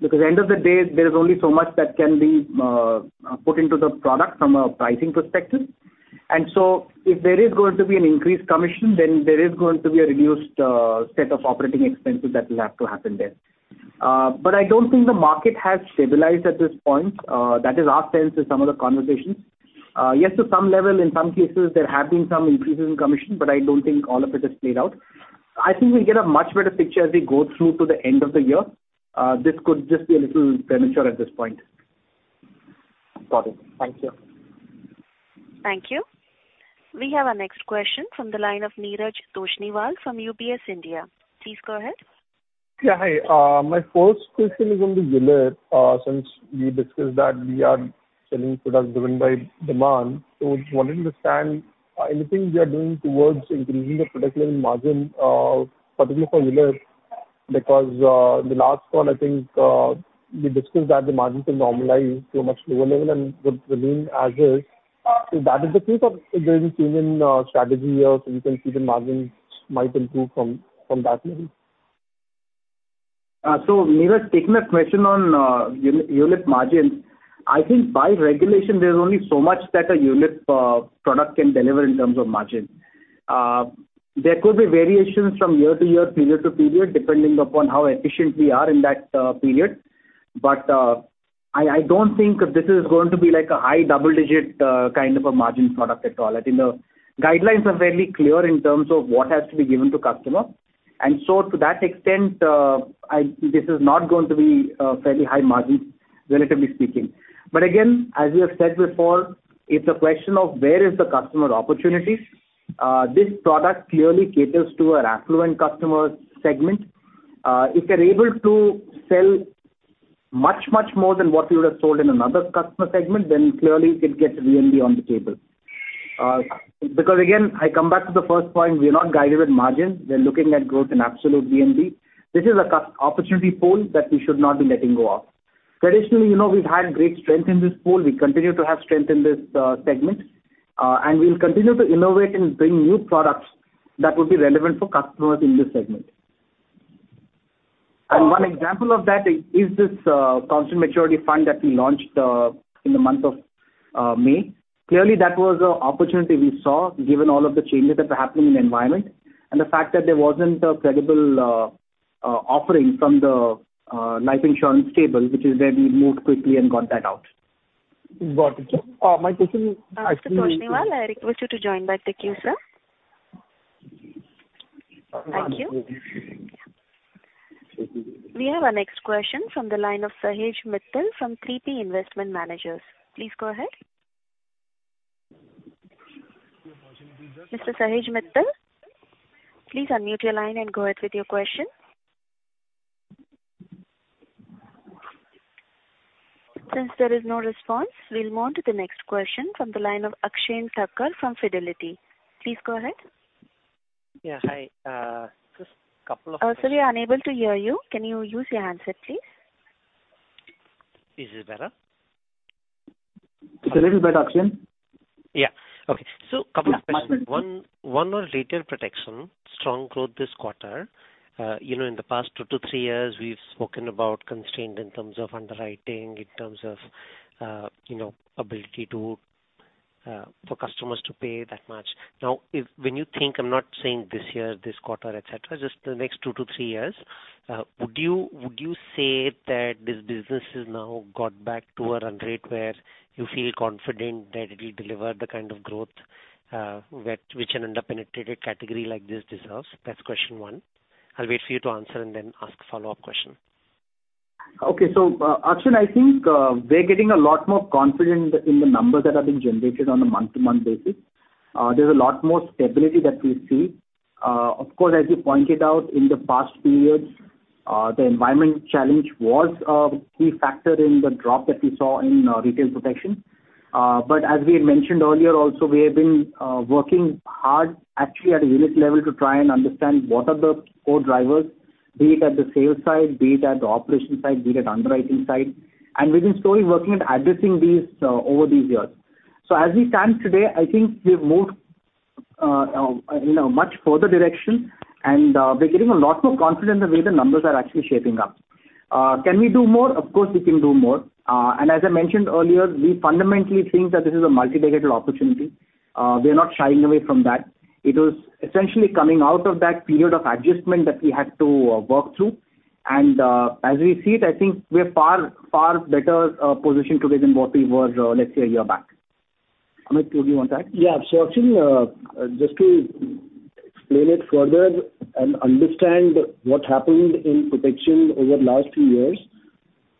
S4: Because end of the day, there is only so much that can be put into the product from a pricing perspective. If there is going to be an increased commission, then there is going to be a reduced set of operating expenses that will have to happen there. I don't think the market has stabilized at this point. That is our sense in some of the conversations. Yes, to some level, in some cases, there have been some increases in commission, but I don't think all of it is played out. I think we'll get a much better picture as we go through to the end of the year. This could just be a little premature at this point.
S6: Got it. Thank you.
S1: Thank you. We have our next question from the line of Neeraj Toshniwal from UBS India. Please go ahead.
S18: Yeah, hi. My first question is on the ULIP. Since you discussed that we are selling products driven by demand, wanted to understand, anything we are doing towards increasing the productivity margin, particularly for ULIP, because, in the last call, I think, you discussed that the margins will normalize to a much lower level and would remain as is. If that is the case or there is a change in strategy here, we can see the margins might improve from that maybe?
S4: Neeraj, taking a question on ULIP margins, I think by regulation, there's only so much that a ULIP product can deliver in terms of margin. There could be variations from year to year, period to period, depending upon how efficient we are in that period. I don't think this is going to be like a high double-digit kind of a margin product at all. I think the guidelines are fairly clear in terms of what has to be given to customer. To that extent, this is not going to be a fairly high margin, relatively speaking. Again, as we have said before, it's a question of where is the customer opportunity? This product clearly caters to our affluent customer segment. If we're able to sell much, much more than what we would have sold in another customer segment, clearly it gets VNB on the table. Again, I come back to the first point: we are not guided with margins. We're looking at growth in absolute VNB. This is a opportunity pool that we should not be letting go of. Traditionally, you know, we've had great strength in this pool. We continue to have strength in this segment, we'll continue to innovate and bring new products that would be relevant for customers in this segment. One example of that is this Constant Maturity Fund that we launched in the month of May. Clearly, that was a opportunity we saw, given all of the changes that were happening in the environment, and the fact that there wasn't a credible offering from the life insurance table, which is where we moved quickly and got that out.
S18: Got it, sir. My question.
S1: Mr. Neeraj Toshniwal, I request you to join back the queue, sir. Thank you. We have our next question from the line of Sahej Mittal from 3P Investment Managers. Please go ahead. Mr. Sahej Mittal, please unmute your line and go ahead with your question. Since there is no response, we'll move on to the next question from the line of Akshay Sekar from Fidelity. Please go ahead.
S19: Yeah, hi. Just couple of-
S1: Sir, we are unable to hear you. Can you use your handset, please?
S19: Is it better?
S4: It's a little better, Akshay.
S19: Yeah. Okay. Couple of questions.
S4: Yeah.
S19: one on retail protection, strong growth this quarter. you know, in the past 2-3 years, we've spoken about constraint in terms of underwriting, in terms of, you know, ability to for customers to pay that much. If when you think, I'm not saying this year, this quarter, et cetera, just the next 2-3 years, would you say that this business has now got back to a run rate where you feel confident that it will deliver the kind of growth, which an underpenetrated category like this deserves? That's question one. I'll wait for you to answer and then ask a follow-up question.
S4: Akshay, I think, we're getting a lot more confident in the numbers that are being generated on a month-to-month basis. There's a lot more stability that we see. Of course, as you pointed out, in the past periods, the environment challenge was a key factor in the drop that we saw in retail protection. As we had mentioned earlier, also, we have been working hard actually at a unit level to try and understand what are the core drivers, be it at the sales side, be it at the operation side, be it at underwriting side, and we've been slowly working at addressing these over these years. As we stand today, I think we've moved in a much further direction, and we're getting a lot more confident the way the numbers are actually shaping up. Can we do more? Of course, we can do more. As I mentioned earlier, we fundamentally think that this is a multi-digit opportunity. We are not shying away from that. It is essentially coming out of that period of adjustment that we had to work through. As we see it, I think we're far, far better positioned today than what we were, let's say, a year back. Amit, do you want to add?
S3: Actually, just to explain it further and understand what happened in protection over the last few years,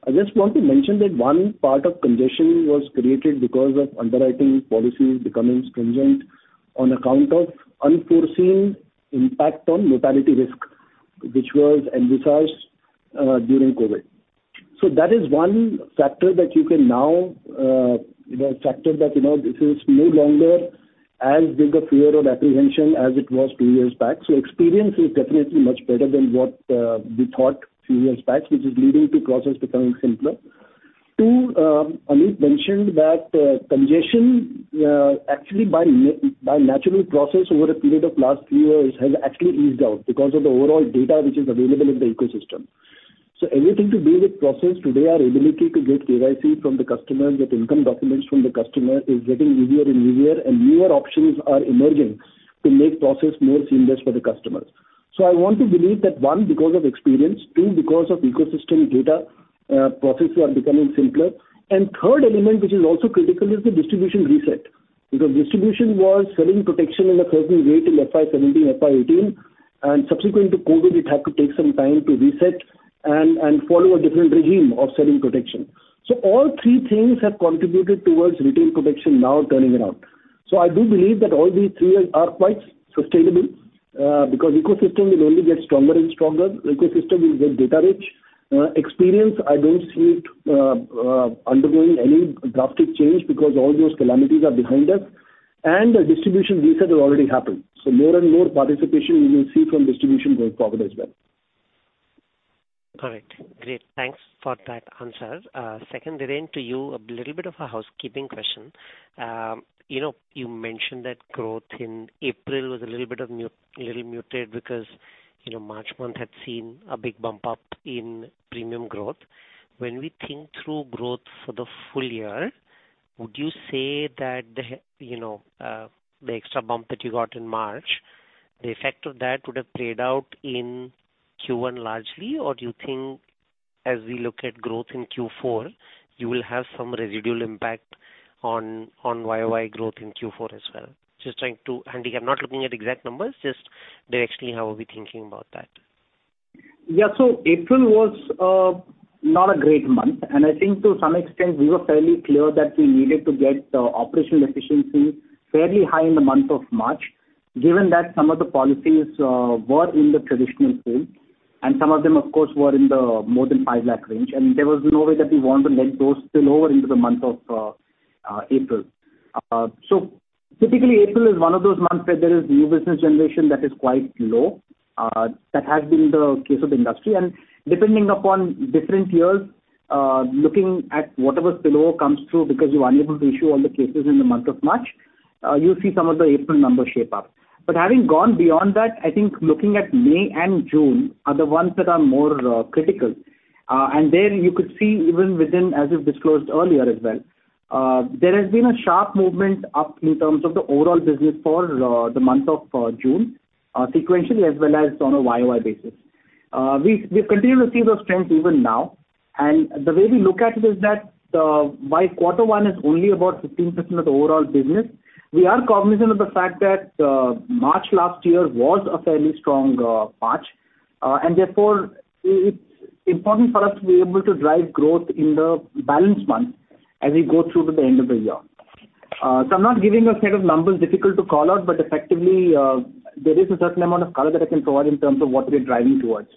S3: I just want to mention that one part of congestion was created because of underwriting policies becoming stringent on account of unforeseen impact on mortality risk, which was envisaged during COVID. That is one factor that you can now, you know, factor that, you know, this is no longer as big a fear or apprehension as it was two years back. Experience is definitely much better than what we thought two years back, which is leading to process becoming simpler. Two, Amit mentioned that congestion, actually by natural process over a period of last three years, has actually eased out because of the overall data which is available in the ecosystem. Anything to do with process today, our ability to get KYC from the customer, get income documents from the customer, is getting easier and easier, and newer options are emerging to make process more seamless for the customer. I want to believe that, one, because of experience, two, because of ecosystem data, processes are becoming simpler. Third element, which is also critical, is the distribution reset. Distribution was selling protection in a certain way till FY17, FY18, and subsequent to COVID, it had to take some time to reset and follow a different regime of selling protection. All three things have contributed towards retail protection now turning around. I do believe that all these three are quite sustainable, because ecosystem will only get stronger and stronger. Ecosystem will get data rich. Experience, I don't see it undergoing any drastic change because all those calamities are behind us. The distribution reset has already happened. More and more participation we will see from distribution going forward as well.
S19: All right. Great, thanks for that answer. Second, Dhiren, to you, a little bit of a housekeeping question. You know, you mentioned that growth in April was a little bit of a little muted because, you know, March month had seen a big bump up in premium growth. When we think through growth for the full year, would you say that the, you know, the extra bump that you got in March, the effect of that would have played out in Q1 largely? Or do you think as we look at growth in Q4, you will have some residual impact on YOY growth in Q4 as well? Just I'm not looking at exact numbers, just directionally, how are we thinking about that?
S4: Yeah. April was not a great month, and I think to some extent, we were fairly clear that we needed to get the operational efficiency fairly high in the month of March, given that some of the policies were in the traditional pool, and some of them, of course, were in the more than 5 lakh range, and there was no way that we want to let those spill over into the month of April. Typically, April is one of those months where there is new business generation that is quite low. That has been the case of the industry, and depending upon different years, looking at whatever spillover comes through, because you are unable to issue all the cases in the month of March, you'll see some of the April numbers shape up. Having gone beyond that, I think looking at May and June are the ones that are more critical. There you could see even within, as we've disclosed earlier as well, there has been a sharp movement up in terms of the overall business for the month of June, sequentially, as well as on a year-over-year basis. We continue to see those trends even now, and the way we look at it is that, while quarter one is only about 15% of the overall business, we are cognizant of the fact that March last year was a fairly strong March. Therefore, it's important for us to be able to drive growth in the balanced month as we go through to the end of the year. I'm not giving a set of numbers, difficult to call out, but effectively, there is a certain amount of color that I can provide in terms of what we're driving towards.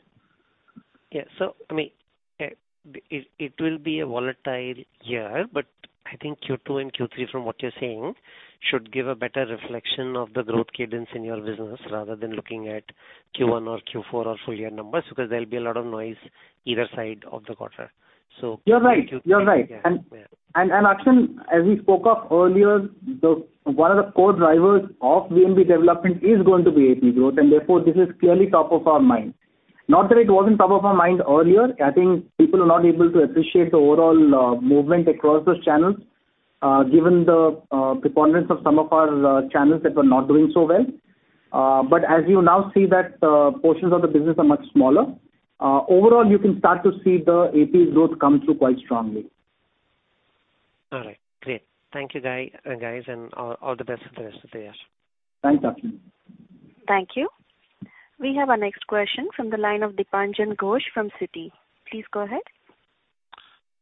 S19: Yeah. I mean, it will be a volatile year, but I think Q2 and Q3, from what you are saying, should give a better reflection of the growth cadence in your business, rather than looking at Q1 or Q4 or full year numbers, because there will be a lot of noise either side of the quarter.
S4: You're right. You're right.
S19: Yeah.
S4: Akshay, as we spoke of earlier, one of the core drivers of VNB development is going to be AP growth, and therefore, this is clearly top of our mind. Not that it wasn't top of our mind earlier, I think people are not able to appreciate the overall movement across those channels, given the preponderance of some of our channels that were not doing so well. But as you now see that portions of the business are much smaller, overall, you can start to see the AP growth come through quite strongly.
S19: All right, great. Thank you, guys, and all the best for the rest of the year.
S4: Thanks, Akshay.
S1: Thank you. We have our next question from the line of Dipanjan Ghosh from Citi. Please go ahead.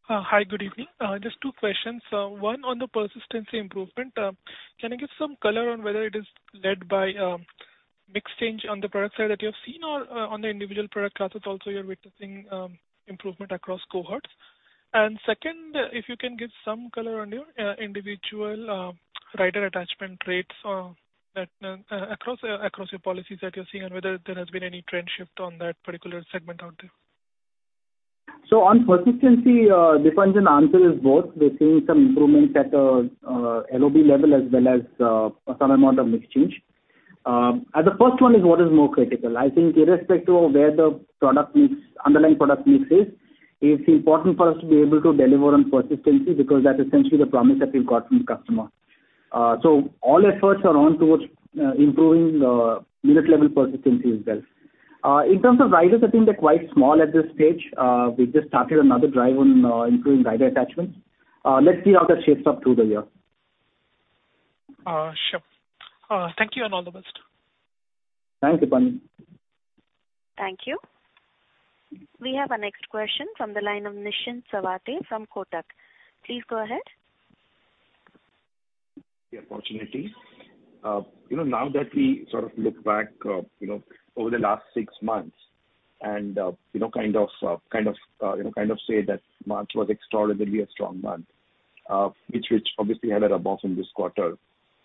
S20: Hi, good evening. Just two questions. One, on the persistency improvement, can you give some color on whether it is led by mix change on the product side that you have seen or, on the individual product classes also, you're witnessing improvement across cohorts? Second, if you can give some color on your individual rider attachment rates, that across your policies that you're seeing, and whether there has been any trend shift on that particular segment out there?
S3: On persistency, Dipanjan, answer is both. We're seeing some improvements at the LOB level as well as some amount of mix change. The first one is what is more critical. I think irrespective of where the product mix, underlying product mix is, it's important for us to be able to deliver on persistency, because that's essentially the promise that we've got from the customer. All efforts are on towards improving the unit level persistency as well. In terms of riders, I think they're quite small at this stage. We just started another drive on improving rider attachment. Let's see how that shapes up through the year.
S20: Sure. Thank you and all the best.
S3: Thank you, Dipanjan.
S1: Thank you. We have our next question from the line of Nishant Salve from Kotak. Please go ahead.
S21: Yeah, fortunately, you know, now that we sort of look back, you know, over the last six months and, you know, kind of, you know, kind of say that March was extraordinarily a strong month, which obviously had a rebuff in this quarter.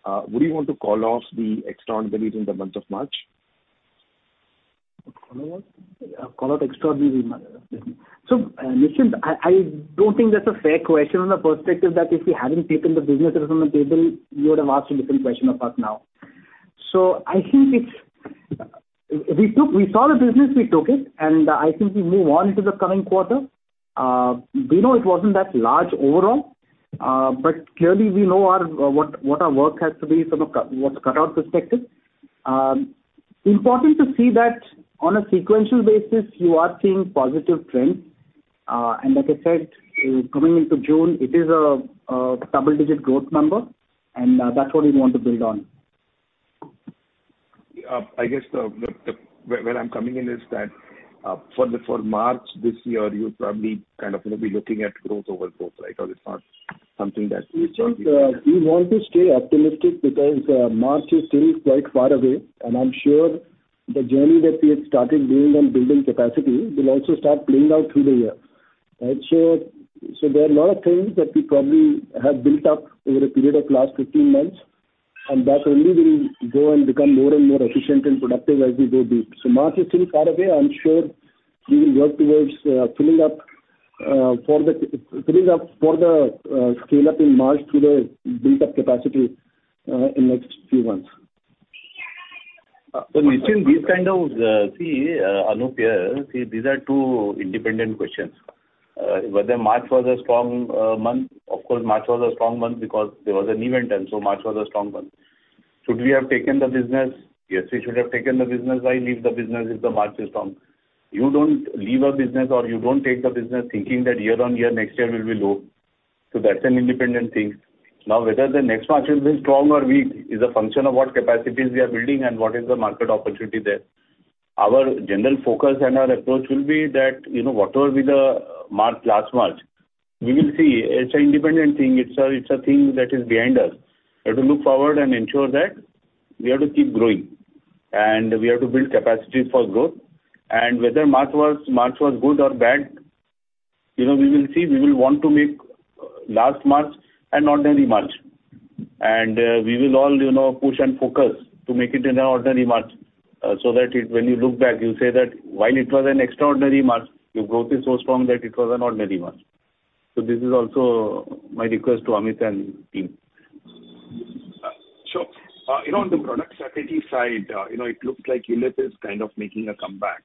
S21: Would you want to call off the extraordinary in the month of March?
S3: Call out extraordinary month. Nishant I don't think that's a fair question on the perspective that if we hadn't taken the businesses on the table, you would have asked a different question of us now. I think it's we took, we saw the business, we took it, and I think we move on to the coming quarter. We know it wasn't that large overall, but clearly we know our, what our work has to be from a cut, what's cut out perspective. Important to see that on a sequential basis, you are seeing positive trends. And like I said, coming into June, it is a double-digit growth number, and that's what we want to build on.
S21: I guess the where I'm coming in is that for March this year, you're probably kind of, you know, be looking at growth over growth, right? it's not something that.
S3: We want to stay optimistic because March is still quite far away, and I'm sure the journey that we have started building and building capacity will also start playing out through the year. Right. There are a lot of things that we probably have built up over a period of last 15 months, and that only will go and become more and more efficient and productive as we go deep. March is still far away. I'm sure we will work towards filling up for the scale-up in March through the build-up capacity in next few months.
S2: Nishant, these kind of, see, Anup here, see, these are two independent questions. Whether March was a strong month? Of course, March was a strong month because there was an event, and so March was a strong month. Should we have taken the business? Yes, we should have taken the business. Why leave the business if the March is strong? You don't leave a business or you don't take the business thinking that year-on-year, next year will be low. That's an independent thing. Now, whether the next March will be strong or weak is a function of what capacities we are building and what is the market opportunity there. Our general focus and our approach will be that, you know, whatever be the March, last March, we will see. It's an independent thing. It's a thing that is behind us. We have to look forward and ensure that we have to keep growing, and we have to build capacity for growth. Whether March was good or bad, you know, we will see. We will want to make last March an ordinary March. We will all, you know, push and focus to make it an ordinary March so that when you look back, you say that while it was an extraordinary March, your growth is so strong that it was an ordinary March. This is also my request to Amit and team.
S21: Sure, you know, on the product strategy side, you know, it looks like ULIP is kind of making a comeback.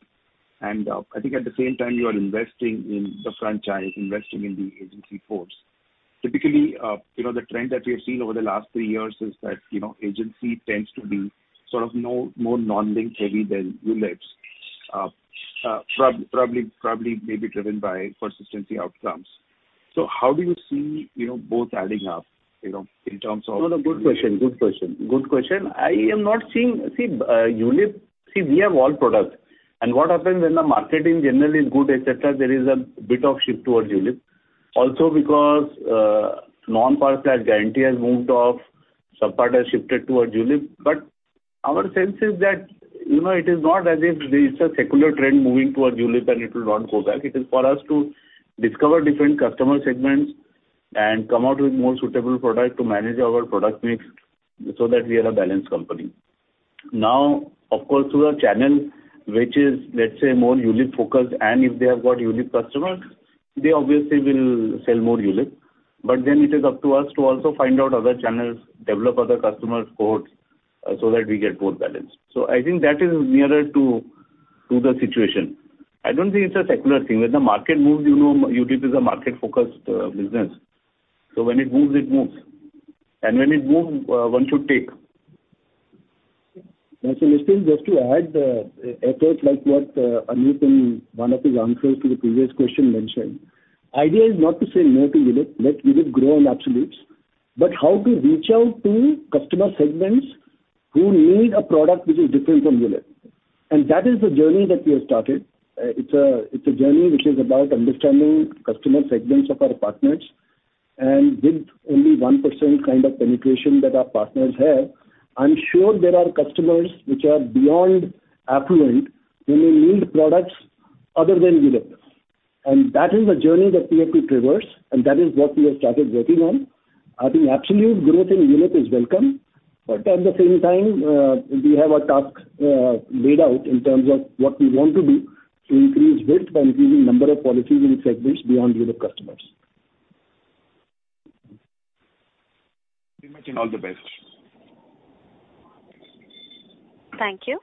S21: I think at the same time you are investing in the franchise, investing in the agency force. Typically, you know, the trend that we have seen over the last three years is that, you know, agency tends to be sort of more non-link heavy than ULIPs. Probably may be driven by persistency outcomes. How do you see, you know, both adding up, you know, in terms of.
S2: No, no, good question. I am not seeing. See, ULIP. See, we have all products, and what happens when the marketing generally is good, et cetera, there is a bit of shift towards ULIP. Also, because non-part has guarantee has moved off, some part has shifted towards ULIP. Our sense is that, you know, it is not as if there is a secular trend moving towards ULIP and it will not go back. It is for us to discover different customer segments and come out with more suitable product to manage our product mix so that we are a balanced company. Now, of course, through a channel which is, let's say, more ULIP-focused, and if they have got ULIP customers, they obviously will sell more ULIP. It is up to us to also find out other channels, develop other customer cohorts, so that we get more balance. I think that is nearer to the situation. I don't think it's a secular thing. When the market moves, you know, ULIP is a market-focused business, so when it moves, it moves. When it moves, one should take.
S3: listen, just to add effort, like what Anup in one of his answers to the previous question mentioned, idea is not to say no to ULIP. Let ULIP grow in absolutes. How to reach out to customer segments who need a product which is different from ULIP? That is the journey that we have started. It's a journey which is about understanding customer segments of our partners, and with only 1% kind of penetration that our partners have, I'm sure there are customers which are beyond affluent, who may need products other than ULIP. That is the journey that we have to traverse, and that is what we have started working on. I think absolute growth in ULIP is welcome, but at the same time, we have our task laid out in terms of what we want to do to increase width by increasing number of policies in segments beyond ULIP customers.
S21: Thank you, and all the best.
S1: Thank you.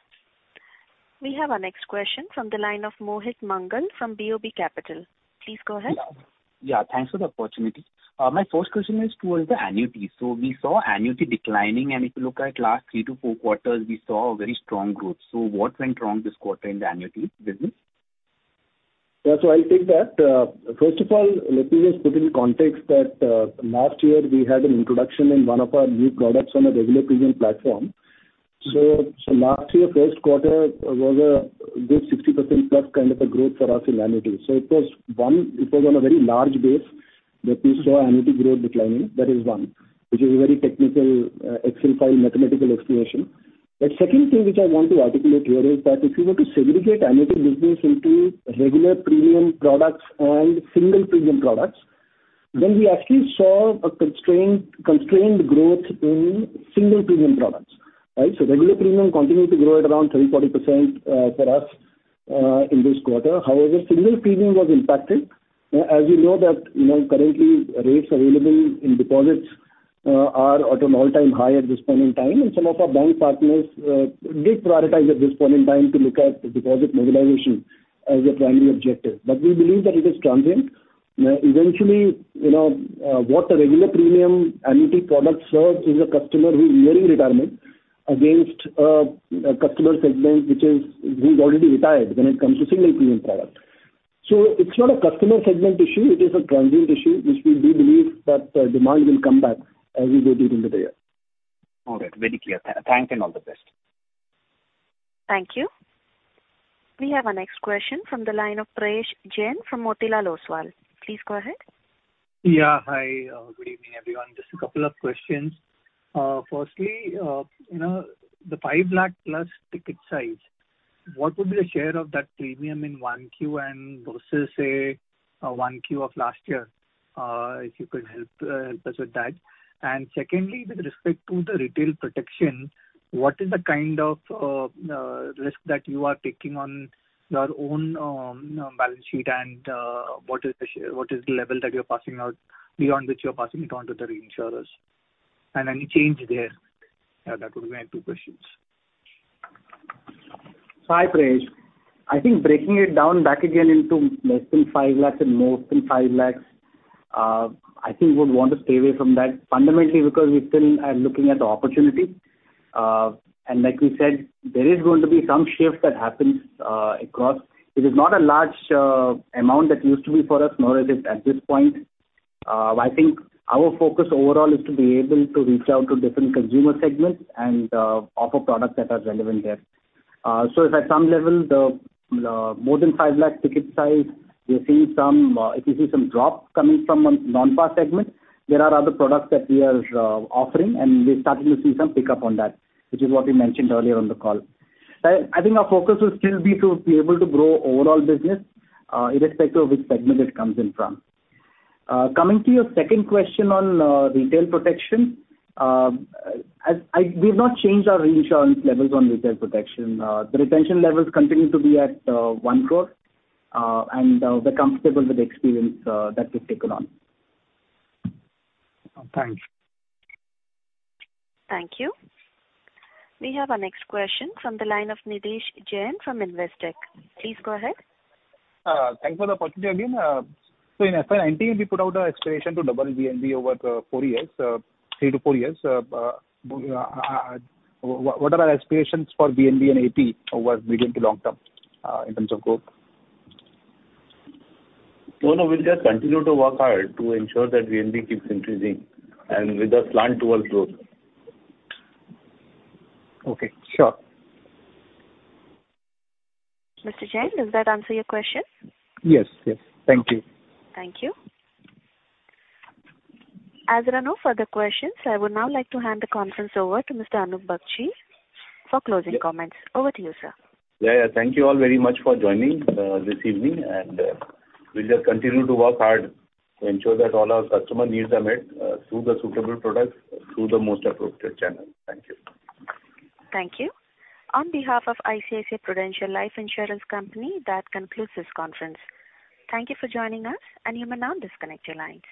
S1: We have our next question from the line of Mohit Mangal from BOB Capital. Please go ahead.
S22: Yeah, thanks for the opportunity. My first question is towards the annuity. We saw annuity declining, and if you look at last three to four quarters, we saw a very strong growth. What went wrong this quarter in the annuity business?
S3: Yeah, I'll take that. First of all, let me just put it in context that last year we had an introduction in one of our new products on a regular premium platform. Last year, first quarter was a good 60% plus kind of a growth for us in annuity. It was on a very large base that we saw annuity growth declining. That is one, which is a very technical Excel file, mathematical explanation. Second thing which I want to articulate here is that if you were to segregate annuity business into regular premium products and single premium products, then we actually saw a constrained growth in single premium products, right? Regular premium continued to grow at around 30%-40% for us in this quarter. However, single premium was impacted. As you know, that, you know, currently rates available in deposits are at an all-time high at this point in time, some of our bank partners did prioritize at this point in time to look at deposit mobilization as a primary objective. We believe that it is transient. Eventually, you know, what a regular premium annuity product serves is a customer who's nearing retirement against a customer segment, who's already retired when it comes to single premium product. It's not a customer segment issue, it is a transient issue, which we do believe that demand will come back as we go during the day.
S22: All right. Very clear. thanks, and all the best.
S1: Thank you. We have our next question from the line of Prayesh Jain from Motilal Oswal. Please go ahead.
S23: Yeah, hi, good evening, everyone. Just a couple of questions. Firstly, you know, the 5 lakh plus ticket size, what would be the share of that premium in 1Q and versus, say, 1Q of last year? If you could help us with that. Secondly, with respect to the retail protection, what is the kind of risk that you are taking on your own balance sheet, and what is the level that you're passing out, beyond which you're passing it on to the reinsurers? Any change there. Yeah, that would be my two questions.
S4: Hi, Prayesh. I think breaking it down back again into less than 5 lakh and more than 5 lakh, I think would want to stay away from that, fundamentally because we still are looking at the opportunity. Like we said, there is going to be some shift that happens across. It is not a large amount that used to be for us, nor is it at this point. I think our focus overall is to be able to reach out to different consumer segments and offer products that are relevant there. If at some level, more than 5 lakh ticket size, we are seeing some, if you see some drop coming from non-PAR segment, there are other products that we are offering, and we're starting to see some pickup on that, which is what we mentioned earlier on the call. I think our focus will still be to be able to grow overall business irrespective of which segment it comes in from. Coming to your second question on retail protection, we've not changed our reinsurance levels on retail protection. The retention levels continue to be at 1 crore, and we're comfortable with the experience that we've taken on.
S23: Thanks.
S1: Thank you. We have our next question from the line of Nidhesh Jain from Investec. Please go ahead.
S13: Thanks for the opportunity again. In FY 2019, we put out an aspiration to double VNB over four years, 3-4 years. What are our aspirations for VNB and AP over medium to long term in terms of growth?
S2: No, no, we'll just continue to work hard to ensure that VNB keeps increasing and with a slant towards growth.
S13: Okay, sure.
S1: Mr. Jain, does that answer your question?
S13: Yes, yes. Thank you.
S1: Thank you. As there are no further questions, I would now like to hand the conference over to Mr. Anup Bagchi for closing comments. Over to you, sir.
S2: Yeah, thank you all very much for joining, this evening, and, we'll just continue to work hard to ensure that all our customer needs are met, through the suitable products, through the most appropriate channel. Thank you.
S1: Thank you. On behalf of ICICI Prudential Life Insurance Company, that concludes this conference. Thank you for joining us, and you may now disconnect your line.